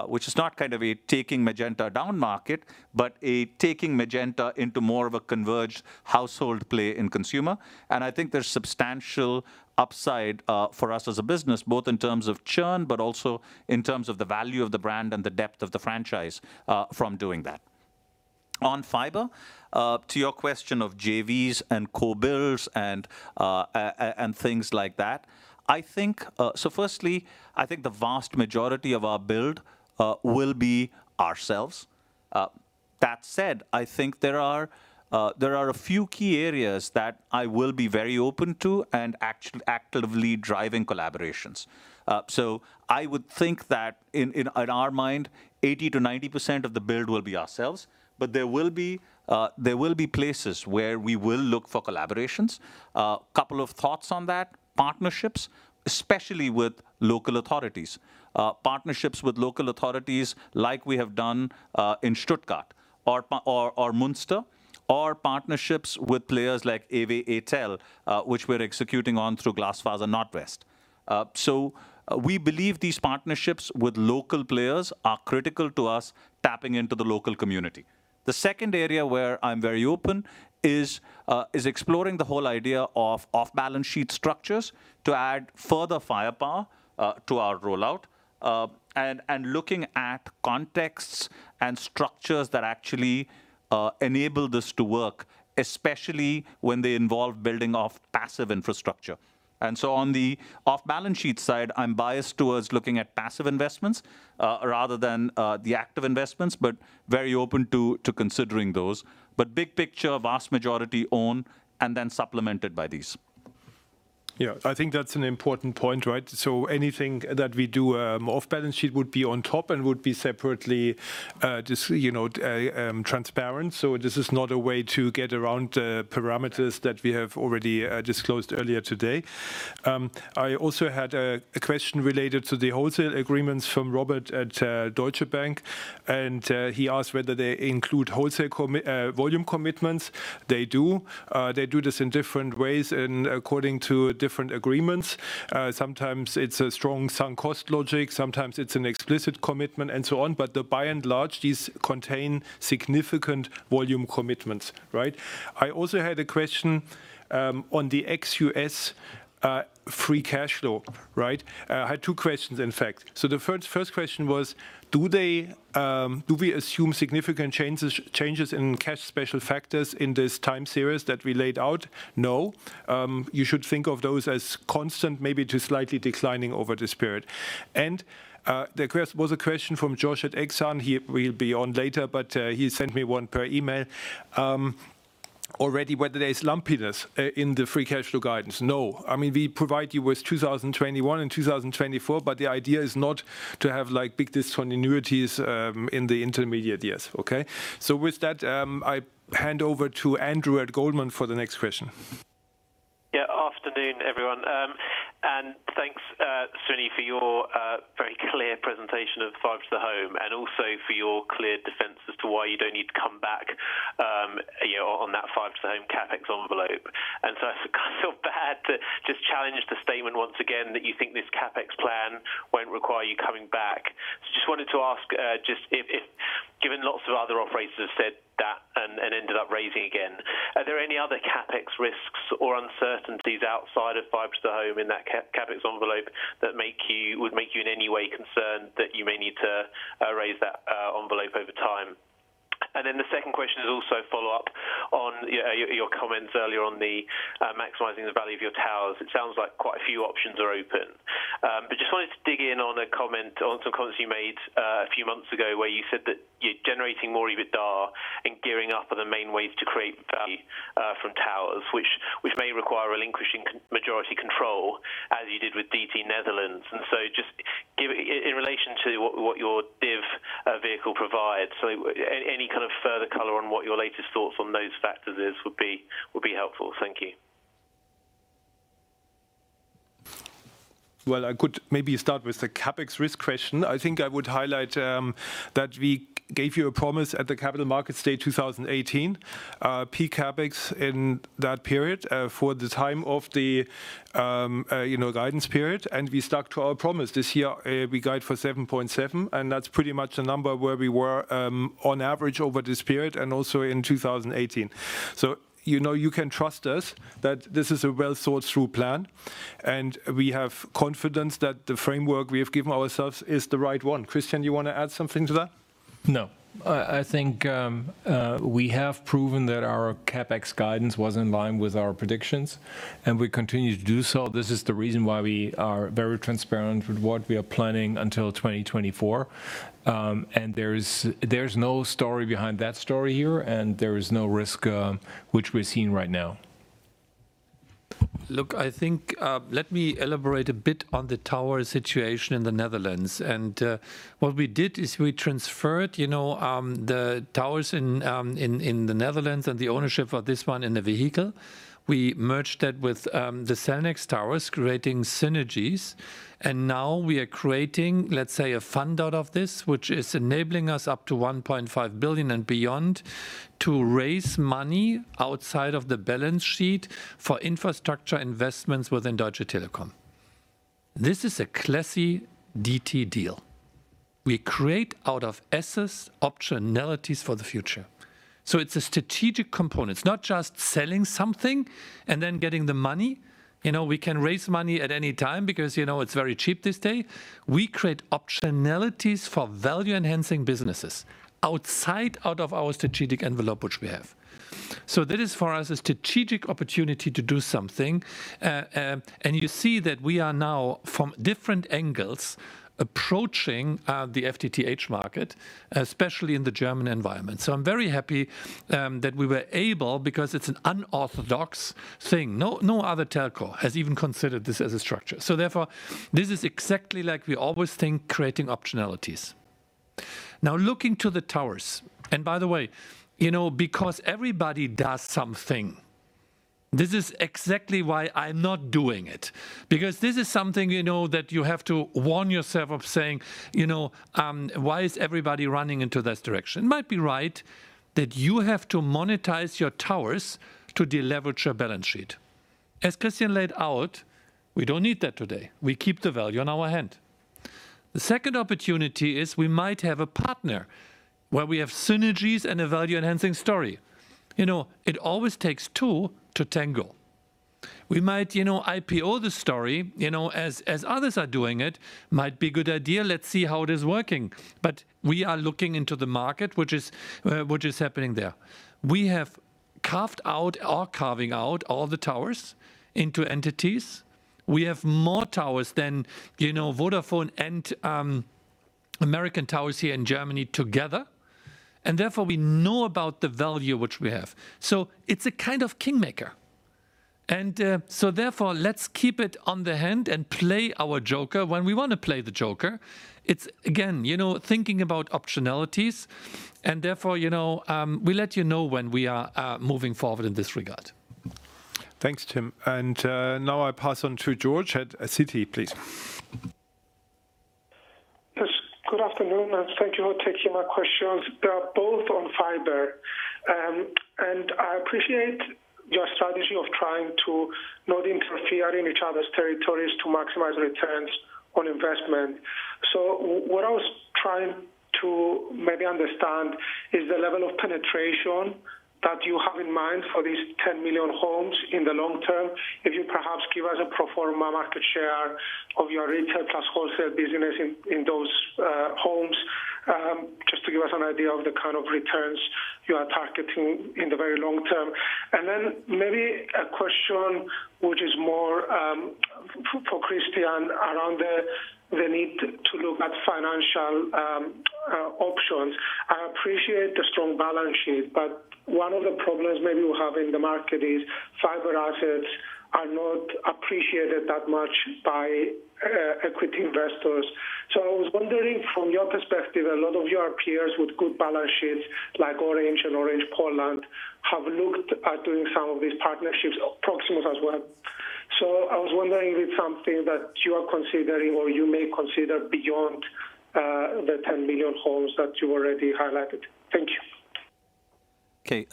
which is not kind of a taking Magenta down market, but a taking Magenta into more of a converged household play in consumer. I think there's substantial upside for us as a business, both in terms of churn, but also in terms of the value of the brand and the depth of the franchise from doing that. On fiber, to your question of JVs and co-builds and things like that. Firstly, I think the vast majority of our build will be ourselves. That said, I think there are a few key areas that I will be very open to and actively driving collaborations. I would think that in our mind, 80%-90% of the build will be ourselves, but there will be places where we will look for collaborations. A couple of thoughts on that. Partnerships, especially with local authorities. Partnerships with local authorities like we have done in Stuttgart or Münster, or partnerships with players like EWE TEL, which we're executing on through Glasfaser Nordwest. We believe these partnerships with local players are critical to us tapping into the local community. The second area where I'm very open is exploring the whole idea of off-balance-sheet structures to add further firepower to our rollout. Looking at contexts and structures that actually enable this to work, especially when they involve building off passive infrastructure. On the off-balance-sheet side, I'm biased towards looking at passive investments rather than the active investments, but very open to considering those. Big picture, vast majority own and then supplemented by these. Yeah. I think that's an important point, right? Anything that we do off-balance-sheet would be on top and would be separately transparent. This is not a way to get around parameters that we have already disclosed earlier today. I also had a question related to the wholesale agreements from Robert at Deutsche Bank, and he asked whether they include wholesale volume commitments. They do. They do this in different ways and according to different agreements. Sometimes it's a strong sunk cost logic, sometimes it's an explicit commitment and so on. By and large, these contain significant volume commitments, right? I also had a question on the ex U.S. free cash flow, right? I had two questions, in fact. The first question was, do we assume significant changes in cash special factors in this time series that we laid out? No. You should think of those as constant, maybe to slightly declining over this period. There was a question from George at Exane. He will be on later, but he sent me one per email. Already, whether there is lumpiness in the free cash flow guidance. No, we provide you with 2021 and 2024, but the idea is not to have big discontinuities in the intermediate years. Okay? With that, I hand over to Andrew at Goldman Sachs for the next question. Yeah. Afternoon, everyone, and thanks, Srini, for your very clear presentation of Fiber to the Home and also for your clear defense as to why you don't need to come back on that Fiber to the Home CapEx envelope. I feel bad to just challenge the statement once again that you think this CapEx plan won't require you coming back. Just wanted to ask, just given lots of other operators have said that and ended up raising again, are there any other CapEx risks or uncertainties outside of Fiber to the Home in that CapEx envelope that would make you in any way concerned that you may need to raise that envelope over time? The second question is also follow up on your comments earlier on the maximizing the value of your towers. It sounds like quite a few options are open. Just wanted to dig in on some comments you made a few months ago where you said that you're generating more EBITDA and gearing up are the main ways to create value from towers, which may require relinquishing majority control, as you did with DT Netherlands. Just in relation to what your DIF vehicle provides, any kind of further color on what your latest thoughts on those factors is would be helpful. Thank you. Well, I could maybe start with the CapEx risk question. I think I would highlight that we gave you a promise at the Capital Markets Day 2018, peak CapEx in that period for the time of the guidance period, and we stuck to our promise. This year, we guide for 7.7, and that's pretty much the number where we were on average over this period and also in 2018. You can trust us that this is a well-thought-through plan, and we have confidence that the framework we have given ourselves is the right one. Christian, you want to add something to that? No. I think we have proven that our CapEx guidance was in line with our predictions, and we continue to do so. This is the reason why we are very transparent with what we are planning until 2024. There's no story behind that story here, and there is no risk which we're seeing right now. Look, I think, let me elaborate a bit on the tower situation in the Netherlands. What we did is we transferred the towers in the Netherlands and the ownership of this one in the vehicle. We merged that with the Cellnex towers, creating synergies. Now we are creating, let's say, a fund out of this, which is enabling us up to 1.5 billion and beyond to raise money outside of the balance sheet for infrastructure investments within Deutsche Telekom. This is a classy DT deal. We create out of assets, optionalities for the future. It's a strategic component. It's not just selling something and then getting the money. We can raise money at any time because it's very cheap this day. We create optionalities for value-enhancing businesses outside out of our strategic envelope, which we have. That is, for us, a strategic opportunity to do something. You see that we are now from different angles, approaching the FTTH market, especially in the German environment. I'm very happy that we were able, because it's an unorthodox thing. No other telco has even considered this as a structure. Therefore, this is exactly like we always think, creating optionalities. Now, looking to the towers, and by the way, because everybody does something, this is exactly why I'm not doing it. This is something that you have to warn yourself of saying, "Why is everybody running into this direction?" Might be right that you have to monetize your towers to deleverage your balance sheet. As Christian laid out, we don't need that today. We keep the value on our hand. The second opportunity is we might have a partner where we have synergies and a value-enhancing story. It always takes two to tango. We might IPO the story, as others are doing it. Might be good idea. Let's see how it is working. We are looking into the market, which is happening there. We are carving out all the towers into entities. We have more towers than Vodafone and American Tower here in Germany together. Therefore, we know about the value which we have. It's a kind of kingmaker. Therefore, let's keep it on the hand and play our joker when we want to play the joker. It's, again, thinking about optionalities and therefore, we'll let you know when we are moving forward in this regard. Thanks, Tim. Now I pass on to George at Citi, please. Yes, good afternoon. Thank you for taking my questions. They are both on fiber. I appreciate your strategy of trying to not interfere in each other's territories to maximize returns on investment. What I was trying to maybe understand is the level of penetration that you have in mind for these 10 million homes in the long term. If you perhaps give us a pro forma market share of your retail plus wholesale business in those homes, just to give us an idea of the kind of returns you are targeting in the very long term. Maybe a question which is more for Christian, around the need to look at financial options. I appreciate the strong balance sheet, but one of the problems maybe you have in the market is fiber assets are not appreciated that much by equity investors. I was wondering from your perspective, a lot of your peers with good balance sheets, like Orange and Orange Poland, have looked at doing some of these partnerships, Proximus as well. I was wondering if it's something that you are considering or you may consider beyond the 10 million homes that you already highlighted. Thank you. Okay.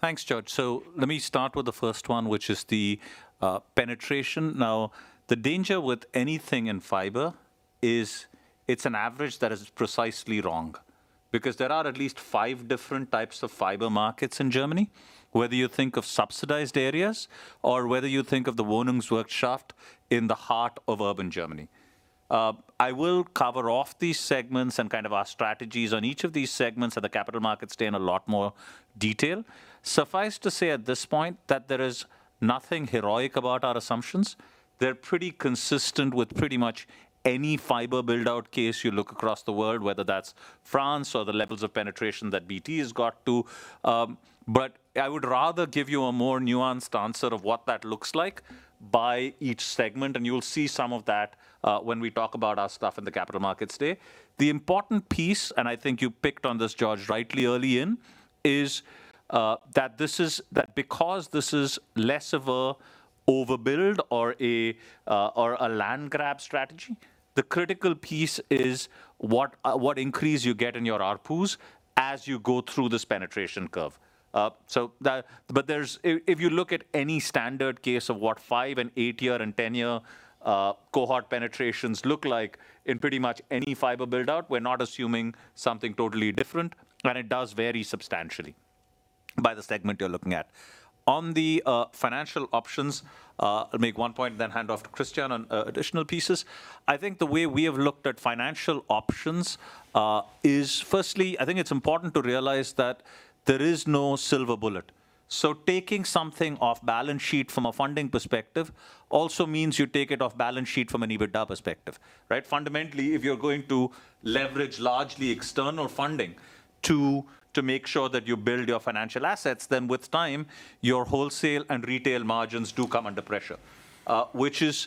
Thanks, George. Let me start with the first one, which is the penetration. Now, the danger with anything in fiber is it's an average that is precisely wrong. There are at least five different types of fiber markets in Germany, whether you think of subsidized areas or whether you think of the Wohnungswirtschaft in the heart of urban Germany. I will cover off these segments and our strategies on each of these segments at the Capital Markets Day in a lot more detail. Suffice to say at this point that there is nothing heroic about our assumptions. They're pretty consistent with pretty much any fiber build-out case you look across the world, whether that's France or the levels of penetration that BT has got too. I would rather give you a more nuanced answer of what that looks like by each segment, and you'll see some of that when we talk about our stuff in the T-Mobile Capital Markets Day. The important piece, and I think you picked on this, George, rightly early in, is that because this is less of a overbuild or a land grab strategy, the critical piece is what increase you get in your ARPUs as you go through this penetration curve. If you look at any standard case of what 5-year and 8-year and 10-year cohort penetrations look like in pretty much any fiber build-out, we're not assuming something totally different. It does vary substantially by the segment you're looking at. On the financial options, I'll make one point and then hand off to Christian on additional pieces. I think the way we have looked at financial options is firstly, I think it's important to realize that there is no silver bullet. Taking something off balance sheet from a funding perspective also means you take it off balance sheet from an EBITDA perspective, right? Fundamentally, if you're going to leverage largely external funding to make sure that you build your financial assets, then with time, your wholesale and retail margins do come under pressure. Which is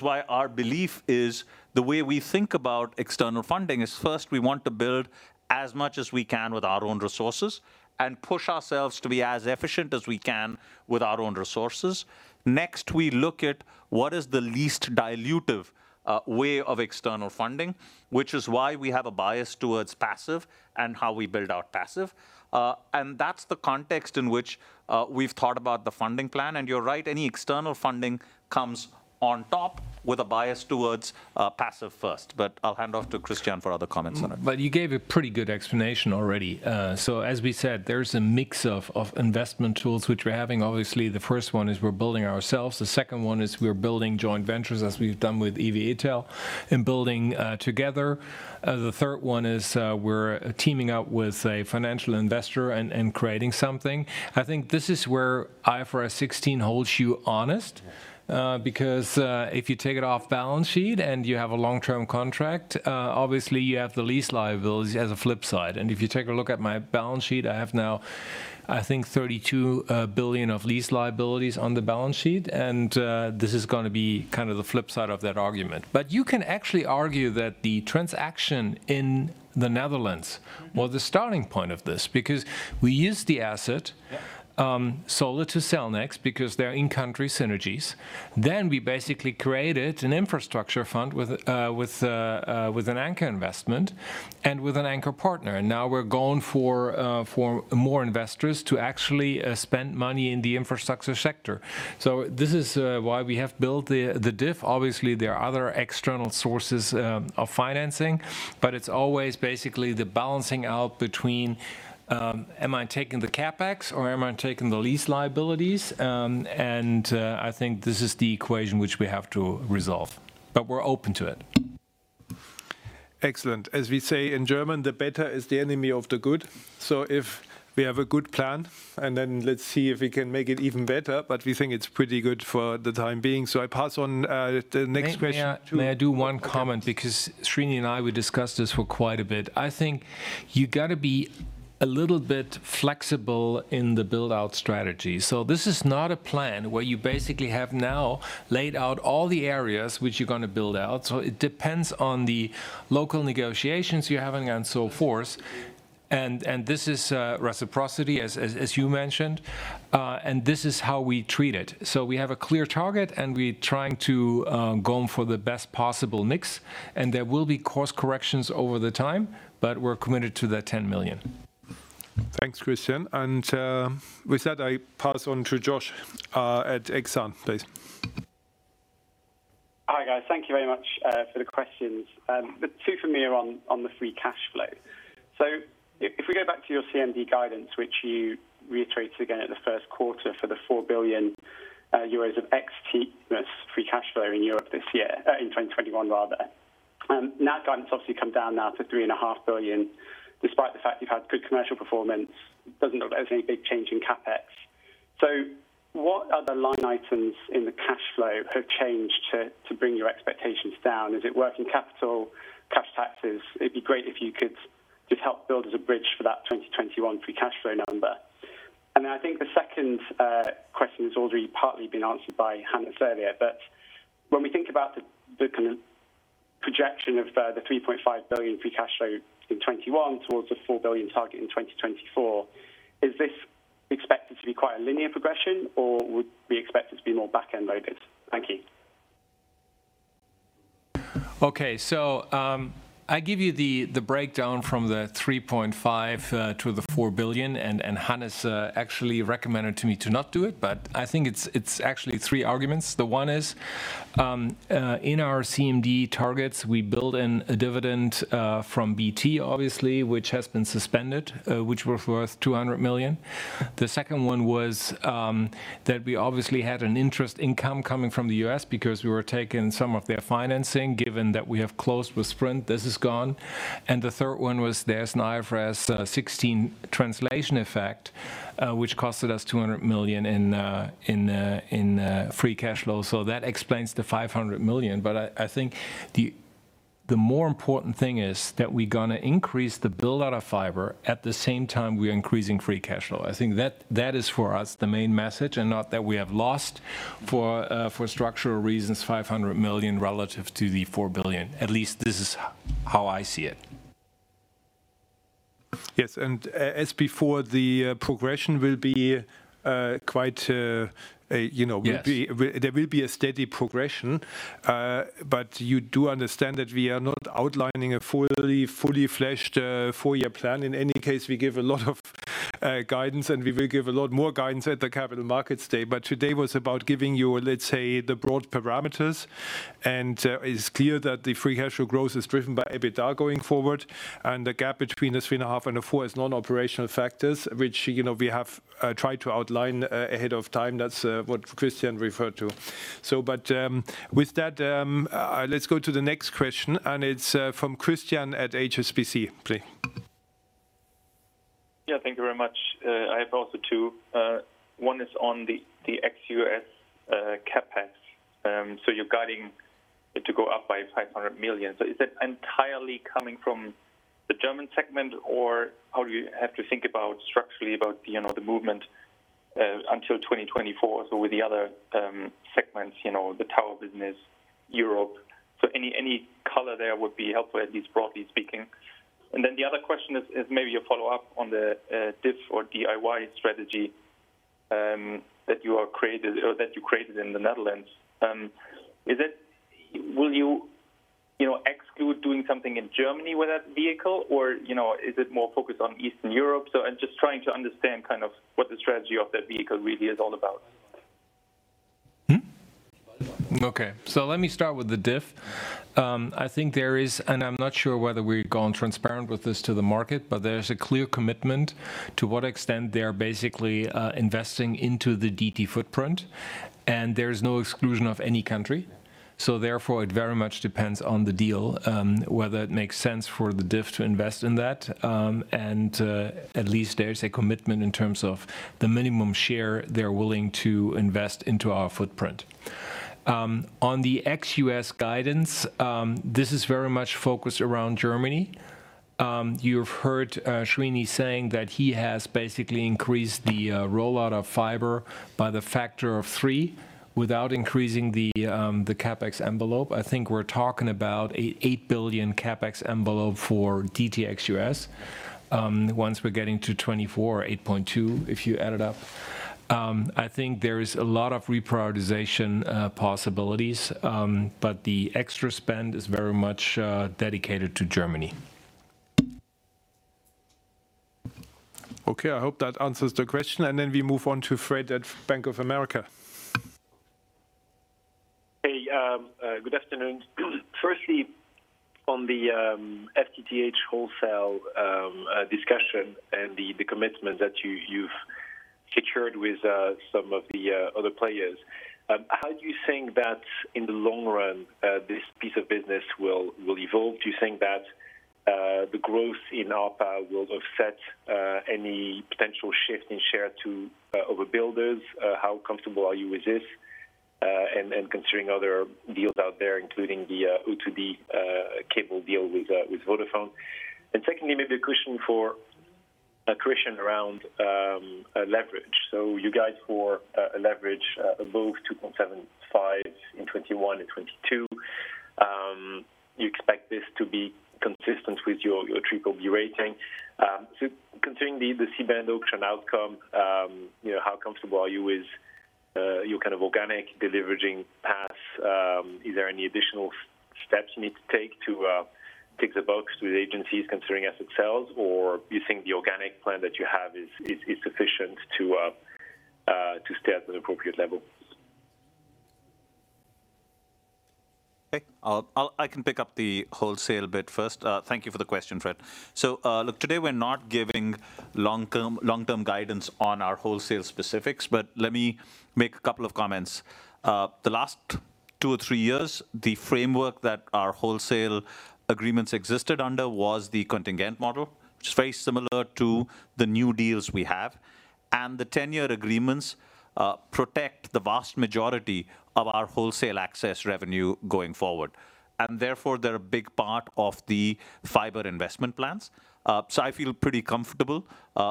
why our belief is the way we think about external funding is first we want to build as much as we can with our own resources and push ourselves to be as efficient as we can with our own resources. Next, we look at what is the least dilutive way of external funding, which is why we have a bias towards passive and how we build out passive. That's the context in which we've thought about the funding plan. You're right, any external funding comes on top with a bias towards passive first. I'll hand off to Christian for other comments on it. You gave a pretty good explanation already. As we said, there's a mix of investment tools which we're having. Obviously, the first one is we're building ourselves. The second one is we're building joint ventures as we've done with EWE TEL and building together. The third one is we're teaming up with a financial investor and creating something. I think this is where IFRS 16 holds you honest. Yeah. If you take it off balance sheet and you have a long-term contract, obviously you have the lease liability as a flip side. If you take a look at my balance sheet, I have now I think 32 billion of lease liabilities on the balance sheet, and this is going to be the flip side of that argument. You can actually argue that the transaction in the Netherlands was the starting point of this. Yeah sold it to Cellnex because they're in-country synergies. We basically created an infrastructure fund with an anchor investment and with an anchor partner. Now we're going for more investors to actually spend money in the infrastructure sector. This is why we have built the DIF. Obviously, there are other external sources of financing. It's always basically the balancing out between am I taking the CapEx or am I taking the lease liabilities? I think this is the equation which we have to resolve. We're open to it. Excellent. As we say in German, the better is the enemy of the good. If we have a good plan, let's see if we can make it even better. We think it's pretty good for the time being. I pass on the next question. May I do one comment? Okay. Srini and I discussed this for quite a bit. I think you got to be a little bit flexible in the build-out strategy. This is not a plan where you basically have now laid out all the areas which you're going to build out. It depends on the local negotiations you're having and so forth. This is reciprocity as you mentioned. This is how we treat it. We have a clear target and we're trying to go for the best possible mix, and there will be course corrections over the time, but we're committed to that 10 million. Thanks, Christian. With that, I pass on to Josh at Exane, please. Hi, guys. Thank you very much for the questions. Two from me on the free cash flow. If we go back to your CMD guidance, which you reiterated again at the first quarter for the 4 billion euros of ex-T free cash flow in Europe this year, in 2021 rather. That guidance obviously come down now to 3.5 billion, despite the fact you've had good commercial performance. Doesn't look like there's any big change in CapEx. What other line items in the cash flow have changed to bring your expectations down? Is it working capital, cash taxes? It'd be great if you could just help build us a bridge for that 2021 free cash flow number. Then I think the second question has already partly been answered by Hannes earlier. When we think about the kind of projection of the 3.5 billion free cash flow in 2021 towards the 4 billion target in 2024, is this expected to be quite a linear progression, or would we expect it to be more backend loaded? Thank you. Okay. I give you the breakdown from the 3.5 billion to the 4 billion. Hannes actually recommended to me to not do it. I think it's actually three arguments. The one is, in our CMD targets, we build in a dividend from BT, obviously, which has been suspended, which was worth 200 million. The second one was that we obviously had an interest income coming from the U.S. because we were taking some of their financing. Given that we have closed with Sprint, this is gone. The third one was there's an IFRS 16 translation effect, which costed us 200 million in free cash flow. That explains the 500 million. I think the more important thing is that we're going to increase the build-out of fiber, at the same time we're increasing free cash flow. I think that is for us the main message and not that we have lost, for structural reasons, 500 million relative to the 4 billion. At least this is how I see it. Yes. As before, the progression will be quite- Yes There will be a steady progression. You do understand that we are not outlining a fully fleshed four-year plan. In any case, we give a lot of guidance, and we will give a lot more guidance at the Capital Markets Day. Today was about giving you, let's say, the broad parameters. It's clear that the free cash flow growth is driven by EBITDA going forward. The gap between the three and a half and the four is non-operational factors, which we have tried to outline ahead of time. That's what Christian referred to. With that, let's go to the next question, and it's from Christian at HSBC, please. Yeah, thank you very much. I have also two. One is on the ex-U.S. CapEx. You're guiding it to go up by 500 million. Is that entirely coming from the German segment, or how do you have to think about structurally about the movement until 2024? With the other segments, the tower business, Europe. Any color there would be helpful, at least broadly speaking. The other question is maybe a follow-up on the DIF or DIY strategy that you created in the Netherlands. Will you exclude doing something in Germany with that vehicle, or is it more focused on Eastern Europe? I'm just trying to understand what the strategy of that vehicle really is all about. Okay. Let me start with the DIF. I think there is, and I'm not sure whether we've gone transparent with this to the market, but there's a clear commitment to what extent they're basically investing into the DT footprint, and there's no exclusion of any country. Therefore, it very much depends on the deal, whether it makes sense for the DIF to invest in that. At least there's a commitment in terms of the minimum share they're willing to invest into our footprint. On the ex-U.S. guidance, this is very much focused around Germany. You've heard Srini saying that he has basically increased the rollout of fiber by the factor of three without increasing the CapEx envelope. I think we're talking about a 8 billion CapEx envelope for DT ex-U.S. Once we're getting to 2024, 8.2 billion, if you add it up. I think there is a lot of reprioritization possibilities. The extra spend is very much dedicated to Germany. Okay. I hope that answers the question. Then we move on to Fred at Bank of America. Hey, good afternoon. Firstly, on the FTTH wholesale discussion and the commitment that you've featured with some of the other players. How do you think that in the long run, this piece of business will evolve? Do you think that the growth in ARPA will offset any potential shift in share to overbuilders? How comfortable are you with this? Considering other deals out there, including the O2 B cable deal with Vodafone. Secondly, maybe a question for Christian around leverage. You guys for a leverage above 2.75 in 2021 and 2022. You expect this to be consistent with your BBB rating. Considering the C-band auction outcome, how comfortable are you with your kind of organic deleveraging path? Is there any additional steps you need to take to tick the box with agencies considering asset sales, or do you think the organic plan that you have is sufficient to stay at an appropriate level? Okay. I can pick up the wholesale bit first. Thank you for the question, Fred. Look, today we're not giving long-term guidance on our wholesale specifics, but let me make a couple of comments. The last two or three years, the framework that our wholesale agreements existed under was the contingent model, which is very similar to the new deals we have. The 10-year agreements protect the vast majority of our wholesale access revenue going forward. Therefore, they're a big part of the fiber investment plans. So I feel pretty comfortable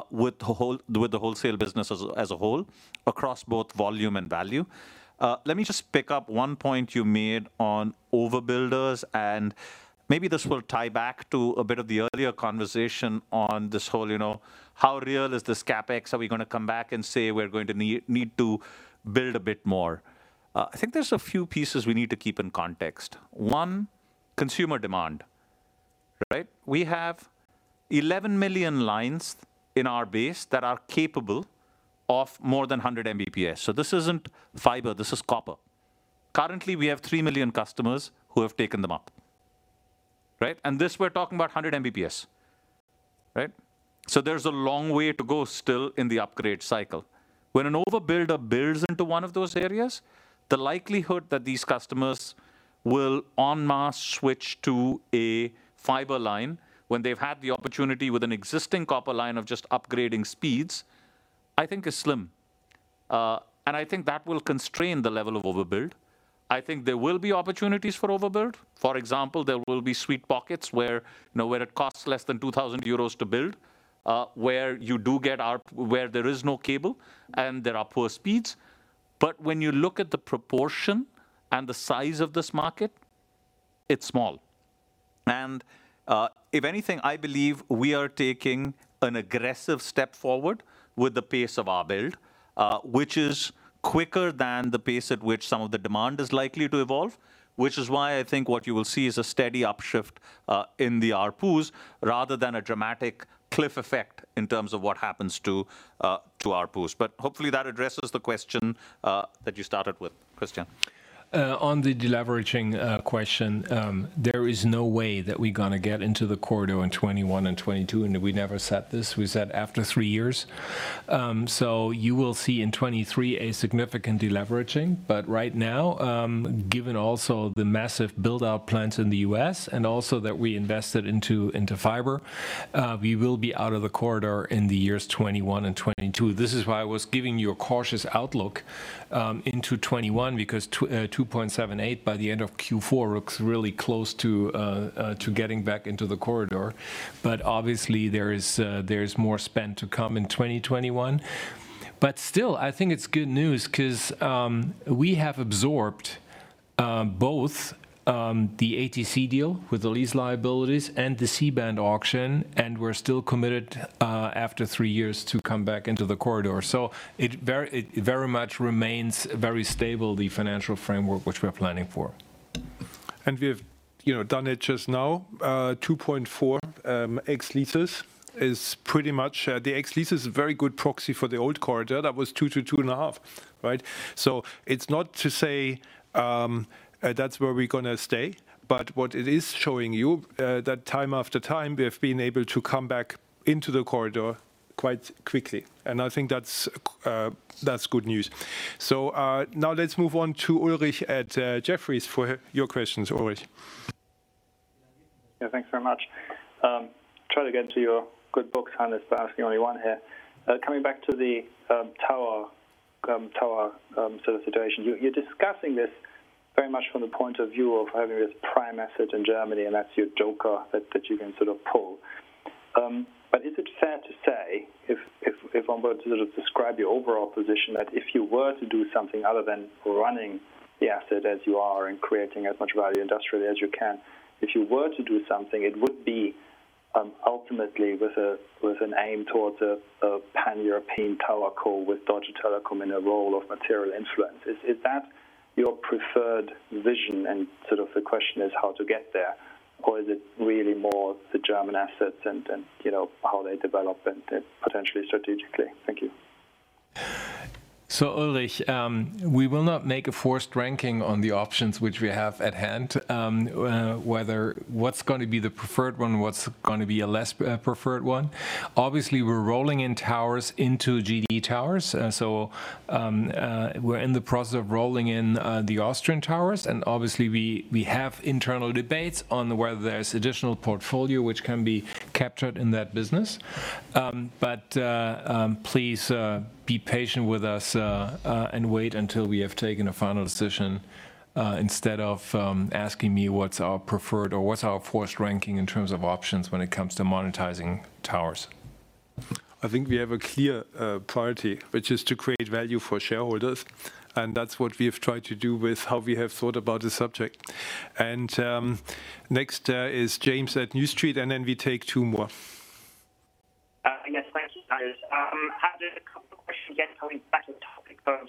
with the wholesale business as a whole across both volume and value. Let me just pick up one point you made on overbuilders, and maybe this will tie back to a bit of the earlier conversation on this whole, how real is this CapEx? Are we going to come back and say we're going to need to build a bit more? I think there's a few pieces we need to keep in context. One, consumer demand. We have 11 million lines in our base that are capable of more than 100 Mbps. This isn't fiber, this is copper. Currently, we have 3 million customers who have taken them up. This, we're talking about 100 Mbps. There's a long way to go still in the upgrade cycle. When an overbuilder builds into one of those areas, the likelihood that these customers will en masse switch to a fiber line when they've had the opportunity with an existing copper line of just upgrading speeds, I think is slim. I think that will constrain the level of overbuild. I think there will be opportunities for overbuild. For example, there will be sweet pockets where it costs less than 2,000 euros to build, where there is no cable and there are poor speeds. When you look at the proportion and the size of this market, it's small. If anything, I believe we are taking an aggressive step forward with the pace of our build, which is quicker than the pace at which some of the demand is likely to evolve, which is why I think what you will see is a steady upshift in the ARPUs rather than a dramatic cliff effect in terms of what happens to ARPUs. Hopefully that addresses the question that you started with. Christian. On the deleveraging question, there is no way that we're going to get into the corridor in 2021 and 2022. We never said this. We said after three years. You will see in 2023 a significant deleveraging. Right now, given also the massive build-out plans in the U.S. and also that we invested into fiber, we will be out of the corridor in the years 2021 and 2022. This is why I was giving you a cautious outlook into 2021, because 2.78 by the end of Q4 looks really close to getting back into the corridor. Obviously, there is more spend to come in 2021. Still, I think it's good news because we have absorbed both the ATC deal with the lease liabilities and the C-band auction, and we're still committed after three years to come back into the corridor. It very much remains very stable, the financial framework which we are planning for. We have done it just now. 2.4x leases is a very good proxy for the old corridor. That was 2-2.5. It's not to say that's where we're going to stay, but what it is showing you that time after time, we have been able to come back into the corridor quite quickly. I think that's good news. Now let's move on to Ulrich at Jefferies for your questions, Ulrich. Thanks very much. Try to get into your good books, Hannes, by asking only one here. Coming back to the tower situation. You're discussing this very much from the point of view of having this prime asset in Germany, and that's your joker that you can sort of pull. Is it fair to say, if I'm going to describe your overall position, that if you were to do something other than running the asset as you are and creating as much value industrially as you can, if you were to do something, it would be ultimately with an aim towards a pan-European TowerCo with Deutsche Telekom in a role of material influence. Is that your preferred vision and sort of the question is how to get there? Is it really more the German assets and how they develop and potentially strategically? Thank you. Ulrich, we will not make a forced ranking on the options which we have at hand, whether what's going to be the preferred one, what's going to be a less preferred one. Obviously, we're rolling in towers into GD Towers. We're in the process of rolling in the Austrian towers, and obviously, we have internal debates on whether there's additional portfolio which can be captured in that business. Please be patient with us and wait until we have taken a final decision instead of asking me what's our preferred or what's our forced ranking in terms of options when it comes to monetizing towers. I think we have a clear priority, which is to create value for shareholders, and that's what we have tried to do with how we have thought about this subject. Next is James at New Street, and then we take two more. Yes, thank you guys. I had a couple of questions, again, coming back on topic of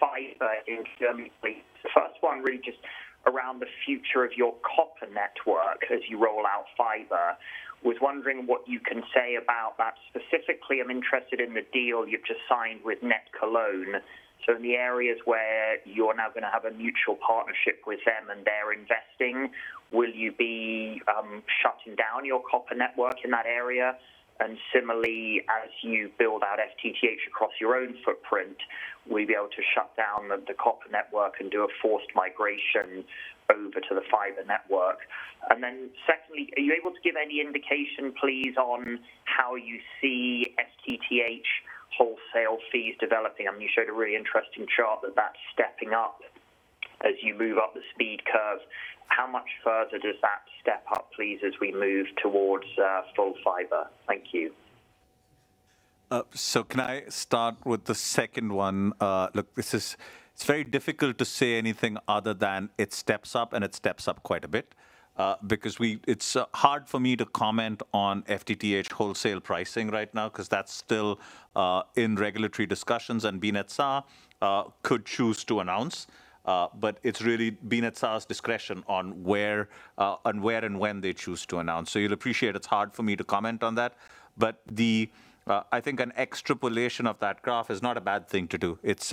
fiber in Germany. The first one really just around the future of your copper network as you roll out fiber. I was wondering what you can say about that. Specifically, I'm interested in the deal you've just signed with NetCologne. In the areas where you're now going to have a mutual partnership with them and they're investing, will you be shutting down your copper network in that area? Similarly, as you build out FTTH across your own footprint, will you be able to shut down the copper network and do a forced migration over to the fiber network? Secondly, are you able to give any indication, please, on how you see FTTH wholesale fees developing? You showed a really interesting chart that that's stepping up as you move up the speed curve. How much further does that step up, please, as we move towards full fiber? Thank you. Can I start with the second one? Look, it's very difficult to say anything other than it steps up, and it steps up quite a bit. It's hard for me to comment on FTTH wholesale pricing right now because that's still in regulatory discussions and BNetzA could choose to announce. It's really BNetzA's discretion on where and when they choose to announce. You'll appreciate it's hard for me to comment on that. I think an extrapolation of that graph is not a bad thing to do. It's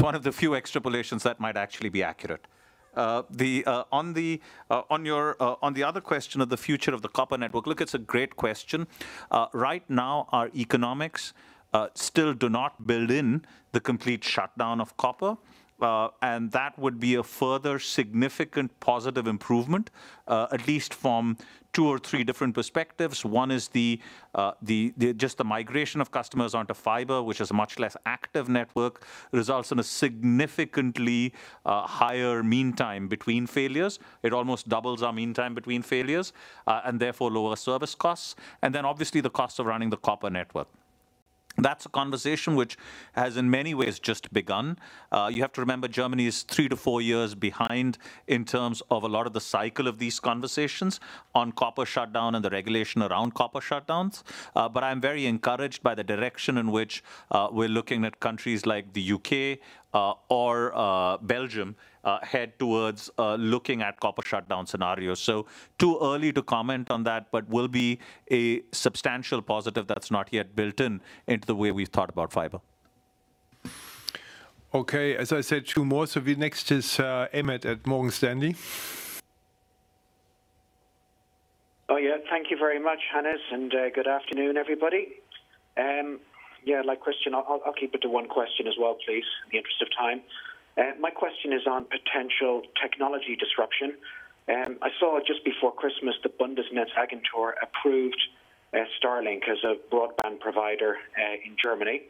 one of the few extrapolations that might actually be accurate. On the other question of the future of the copper network, look, it's a great question. Right now, our economics still do not build in the complete shutdown of copper. That would be a further significant positive improvement, at least from two or three different perspectives. One is just the migration of customers onto fiber, which is a much less active network, results in a significantly higher mean time between failures. It almost doubles our mean time between failures, and therefore lower service costs. Obviously the cost of running the copper network. That's a conversation which has in many ways just begun. You have to remember, Germany is three to four years behind in terms of a lot of the cycle of these conversations on copper shutdown and the regulation around copper shutdowns. I'm very encouraged by the direction in which we're looking at countries like the U.K. or Belgium head towards looking at copper shutdown scenarios. Too early to comment on that, but will be a substantial positive that's not yet built in into the way we've thought about fiber. Okay. As I said, two more. The next is Emmet at Morgan Stanley. Yeah. Thank you very much, Hannes, and good afternoon, everybody. Yeah, I'll keep it to one question as well, please, in the interest of time. My question is on potential technology disruption. I saw just before Christmas, the Bundesnetzagentur approved Starlink as a broadband provider in Germany.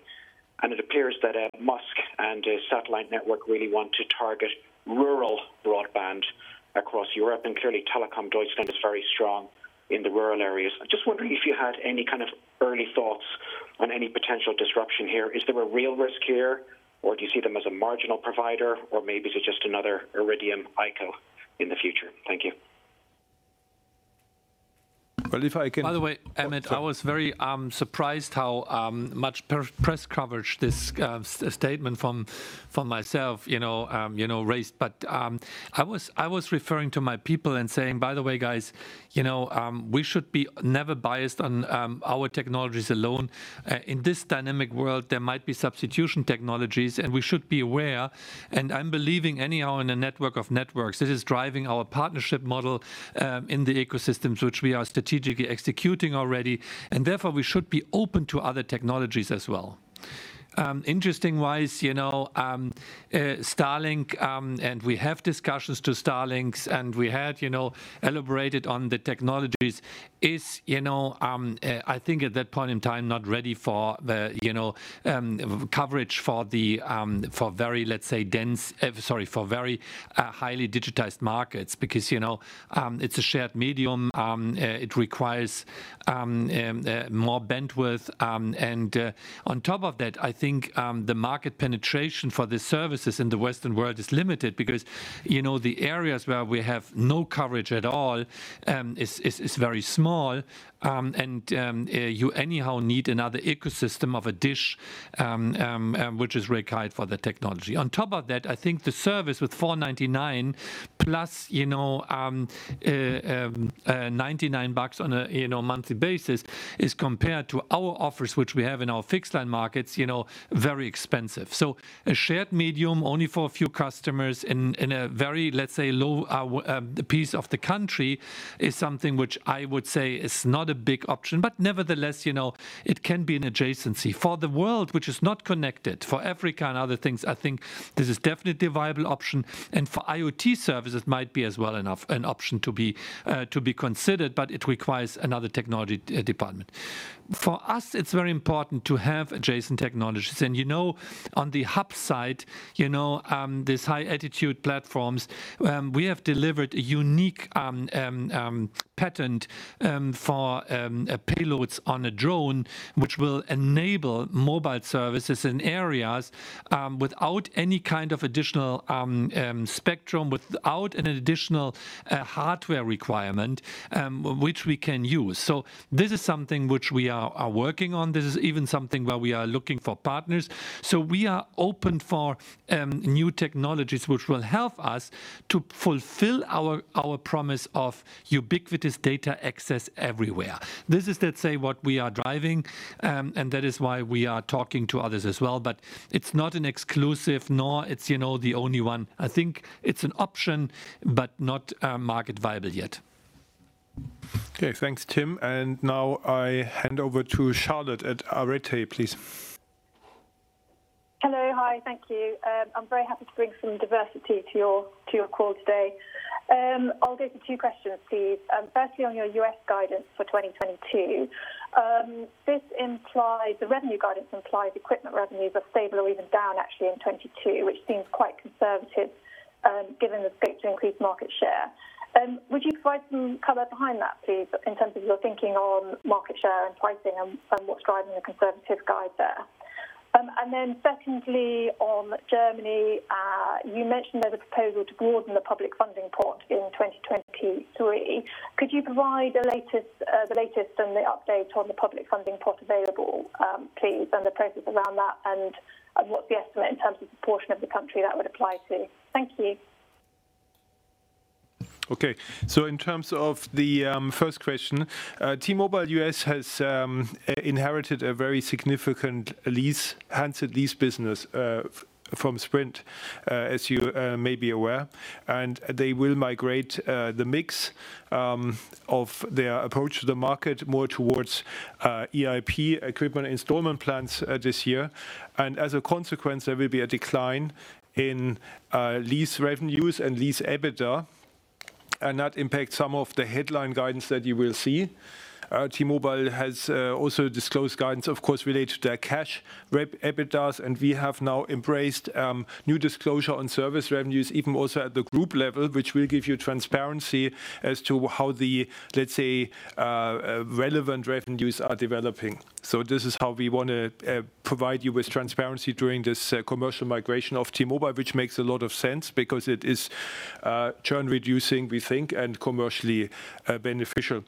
It appears that Musk and his satellite network really want to target rural broadband across Europe. Clearly, Telekom Deutschland is very strong in the rural areas. I'm just wondering if you had any kind of early thoughts on any potential disruption here. Is there a real risk here, or do you see them as a marginal provider, or maybe is it just another Iridium ICO in the future? Thank you. Well, if I can- By the way, Emmet, I was very surprised how much press coverage this statement from myself raised. I was referring to my people and saying, "By the way, guys, we should never be biased on our technologies alone. In this dynamic world, there might be substitution technologies, and we should be aware." I'm believing anyhow in a network of networks. This is driving our partnership model in the ecosystems, which we are strategically executing already, and therefore we should be open to other technologies as well. Interesting-wise, Starlink, and we have discussions to Starlink, and we had elaborated on the technologies is, I think at that point in time, not ready for the coverage for very highly digitized markets. Because it's a shared medium, it requires more bandwidth. On top of that, I think the market penetration for the services in the Western world is limited because the areas where we have no coverage at all is very small, and you anyhow need another ecosystem of a dish, which is required for the technology. On top of that, I think the service with 499 plus EUR 99 on a monthly basis is, compared to our offers which we have in our fixed line markets, very expensive. A shared medium only for a few customers in a very, let's say, low piece of the country is something which I would say is not a big option. Nevertheless, it can be an adjacency. For the world which is not connected, for Africa and other things, I think this is definitely a viable option. For IoT services, might be as well an option to be considered, but it requires another technology department. For us, it's very important to have adjacent technologies. On the HAPS side, these High-Altitude Platforms, we have delivered a unique patent for payloads on a drone, which will enable mobile services in areas without any kind of additional spectrum, without an additional hardware requirement, which we can use. This is something which we are working on. This is even something where we are looking for partners. We are open for new technologies which will help us to fulfill our promise of ubiquitous data access everywhere. This is, let's say, what we are driving, and that is why we are talking to others as well. It's not an exclusive, nor it's the only one. I think it's an option, but not market viable yet. Okay, thanks, Tim. Now I hand over to Charlotte at Arete, please. Hello. Hi, thank you. I'm very happy to bring some diversity to your call today. I'll go for two questions, please. Firstly, on your U.S. guidance for 2022. The revenue guidance implies equipment revenues are stable or even down actually in 2022, which seems quite conservative given the push to increase market share. Would you provide some color behind that, please, in terms of your thinking on market share and pricing and what's driving the conservative guide there? Secondly, on Germany, you mentioned there's a proposal to broaden the public funding pot in 2023. Could you provide the latest and the update on the public funding pot available, please, and the process around that, and what the estimate in terms of proportion of the country that would apply to? Thank you. In terms of the first question, T-Mobile US has inherited a very significant handset lease business from Sprint, as you may be aware. They will migrate the mix of their approach to the market more towards EIP, equipment installment plans, this year. As a consequence, there will be a decline in lease revenues and lease EBITDA, and that impacts some of the headline guidance that you will see. T-Mobile has also disclosed guidance, of course, related to their cash EBITDAs, and we have now embraced new disclosure on service revenues even also at the group level, which will give you transparency as to how the relevant revenues are developing. This is how we want to provide you with transparency during this commercial migration of T-Mobile, which makes a lot of sense because it is churn-reducing, we think, and commercially beneficial.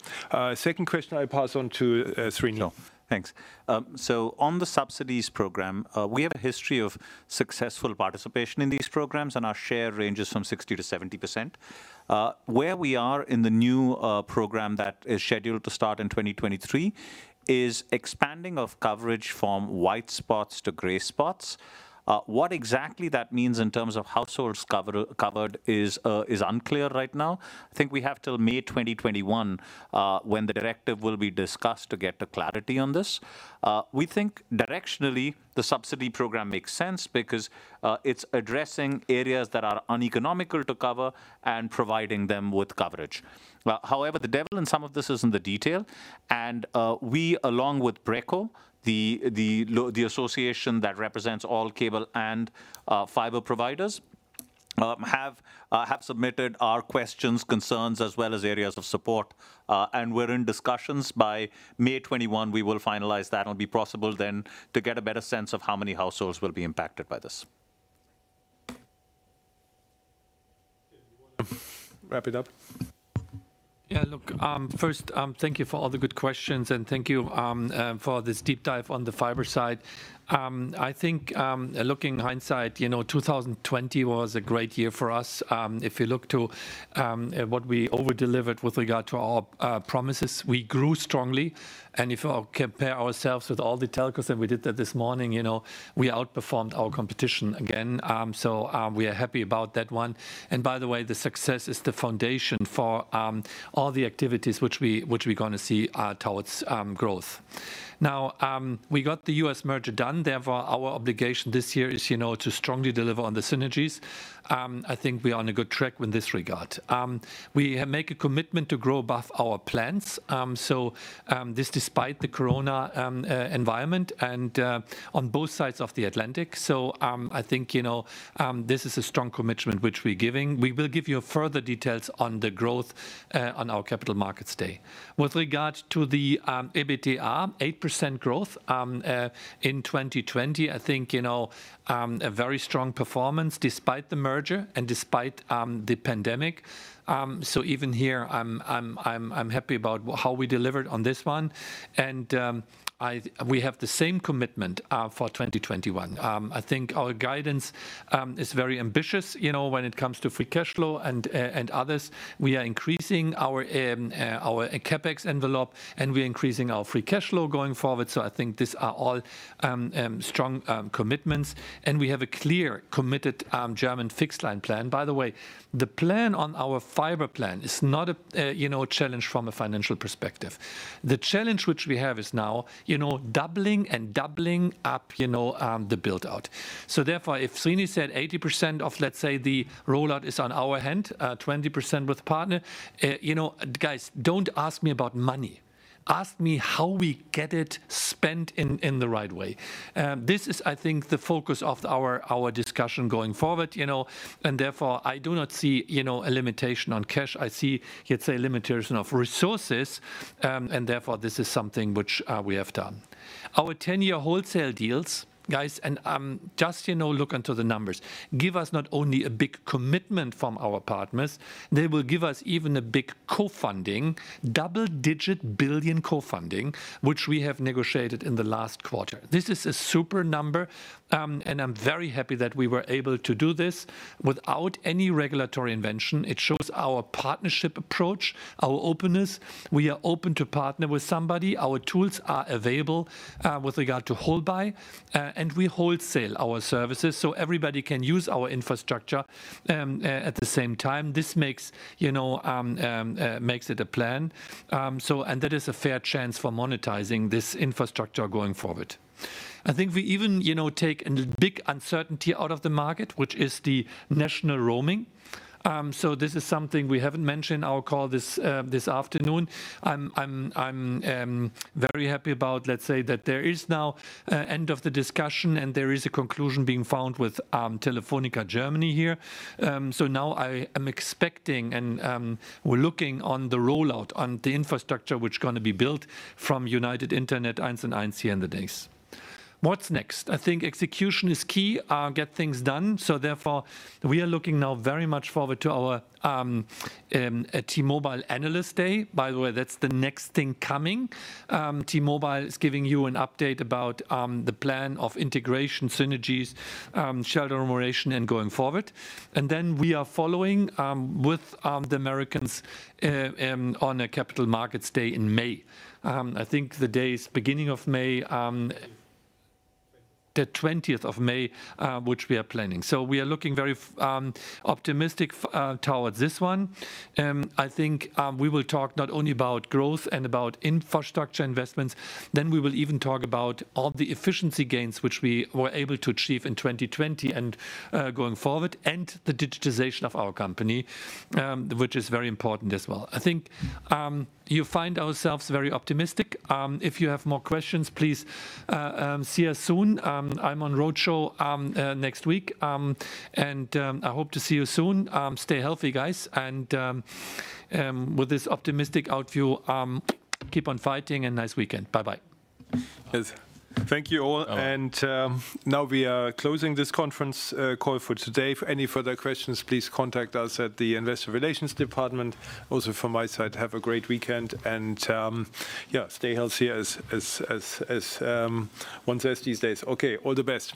Second question I pass on to Srini. Thanks. On the subsidy program, we have a history of successful participation in these programs, and our share ranges from 60%-70%. Where we are in the new program that is scheduled to start in 2023 is expanding of coverage from white spots to gray spots. What exactly that means in terms of households covered is unclear right now. I think we have till May 2021, when the directive will be discussed to get the clarity on this. We think directionally the subsidy program makes sense because it's addressing areas that are uneconomical to cover and providing them with coverage. However, the devil in some of this is in the detail. We, along with BREKO, the association that represents all cable and fiber providers, have submitted our questions, concerns, as well as areas of support. We're in discussions. By May 2021, we will finalize that. It'll be possible then to get a better sense of how many households will be impacted by this. Tim, do you want to wrap it up? Thank you for all the good questions, and thank you for this deep dive on the fiber side. I think, looking in hindsight, 2020 was a great year for us. If you look to what we over-delivered with regard to all our promises, we grew strongly. If we compare ourselves with all the telcos, and we did that this morning, we outperformed our competition again. We are happy about that one. By the way, the success is the foundation for all the activities which we're going to see towards growth. We got the U.S. merger done. Our obligation this year is to strongly deliver on the synergies. I think we are on a good track in this regard. We make a commitment to grow above our plans. This despite the corona environment and on both sides of the Atlantic. I think this is a strong commitment which we're giving. We will give you further details on the growth on our Capital Markets Day. With regard to the EBITDA, 8% growth in 2020. I think a very strong performance despite the merger and despite the pandemic. Even here, I'm happy about how we delivered on this one. We have the same commitment for 2021. I think our guidance is very ambitious when it comes to free cash flow and others. We are increasing our CapEx envelope, and we're increasing our free cash flow going forward. I think these are all strong commitments. We have a clear, committed German fixed line plan. By the way, the plan on our fiber plan is not a challenge from a financial perspective. The challenge which we have is now doubling and doubling up the build-out. Therefore, if Srini said 80% of, let's say, the rollout is on our hand, 20% with partner, guys, don't ask me about money. Ask me how we get it spent in the right way. This is, I think, the focus of our discussion going forward. Therefore, I do not see a limitation on cash. I see, let's say, a limitation of resources, and therefore, this is something which we have done. Our 10-year wholesale deals, guys, and just look into the numbers, give us not only a big commitment from our partners, they will give us even a big co-funding, double-digit billion EUR co-funding, which we have negotiated in the last quarter. This is a super number, and I'm very happy that we were able to do this without any regulatory intervention. It shows our partnership approach, our openness. We are open to partner with somebody. Our tools are available with regard to wholesale. We wholesale our services, so everybody can use our infrastructure at the same time. This makes it a plan. That is a fair chance for monetizing this infrastructure going forward. I think we even take a big uncertainty out of the market, which is the national roaming. This is something we haven't mentioned in our call this afternoon. I'm very happy about, let's say, that there is now end of the discussion and there is a conclusion being found with Telefónica Germany here. Now I am expecting and we're looking on the rollout on the infrastructure which is going to be built from United Internet, 1&1 here in the days. What's next? I think execution is key. Get things done. Therefore, we are looking now very much forward to our T-Mobile Analyst Day. That's the next thing coming. T-Mobile is giving you an update about the plan of integration synergies, shareholder remuneration, and going forward. We are following with the Americans on a Capital Markets Day in May. I think the day is the 20th of May, which we are planning. We are looking very optimistic towards this one. I think we will talk not only about growth and about infrastructure investments, then we will even talk about all the efficiency gains, which we were able to achieve in 2020 and going forward, and the digitization of our company, which is very important as well. I think you find ourselves very optimistic. If you have more questions, please see us soon. I'm on roadshow next week. I hope to see you soon. Stay healthy, guys. With this optimistic outlook, keep on fighting and nice weekend. Bye bye. Yes. Thank you all. Now we are closing this conference call for today. For any further questions, please contact us at the investor relations department. From my side, have a great weekend and stay healthy as one says these days. Okay. All the best.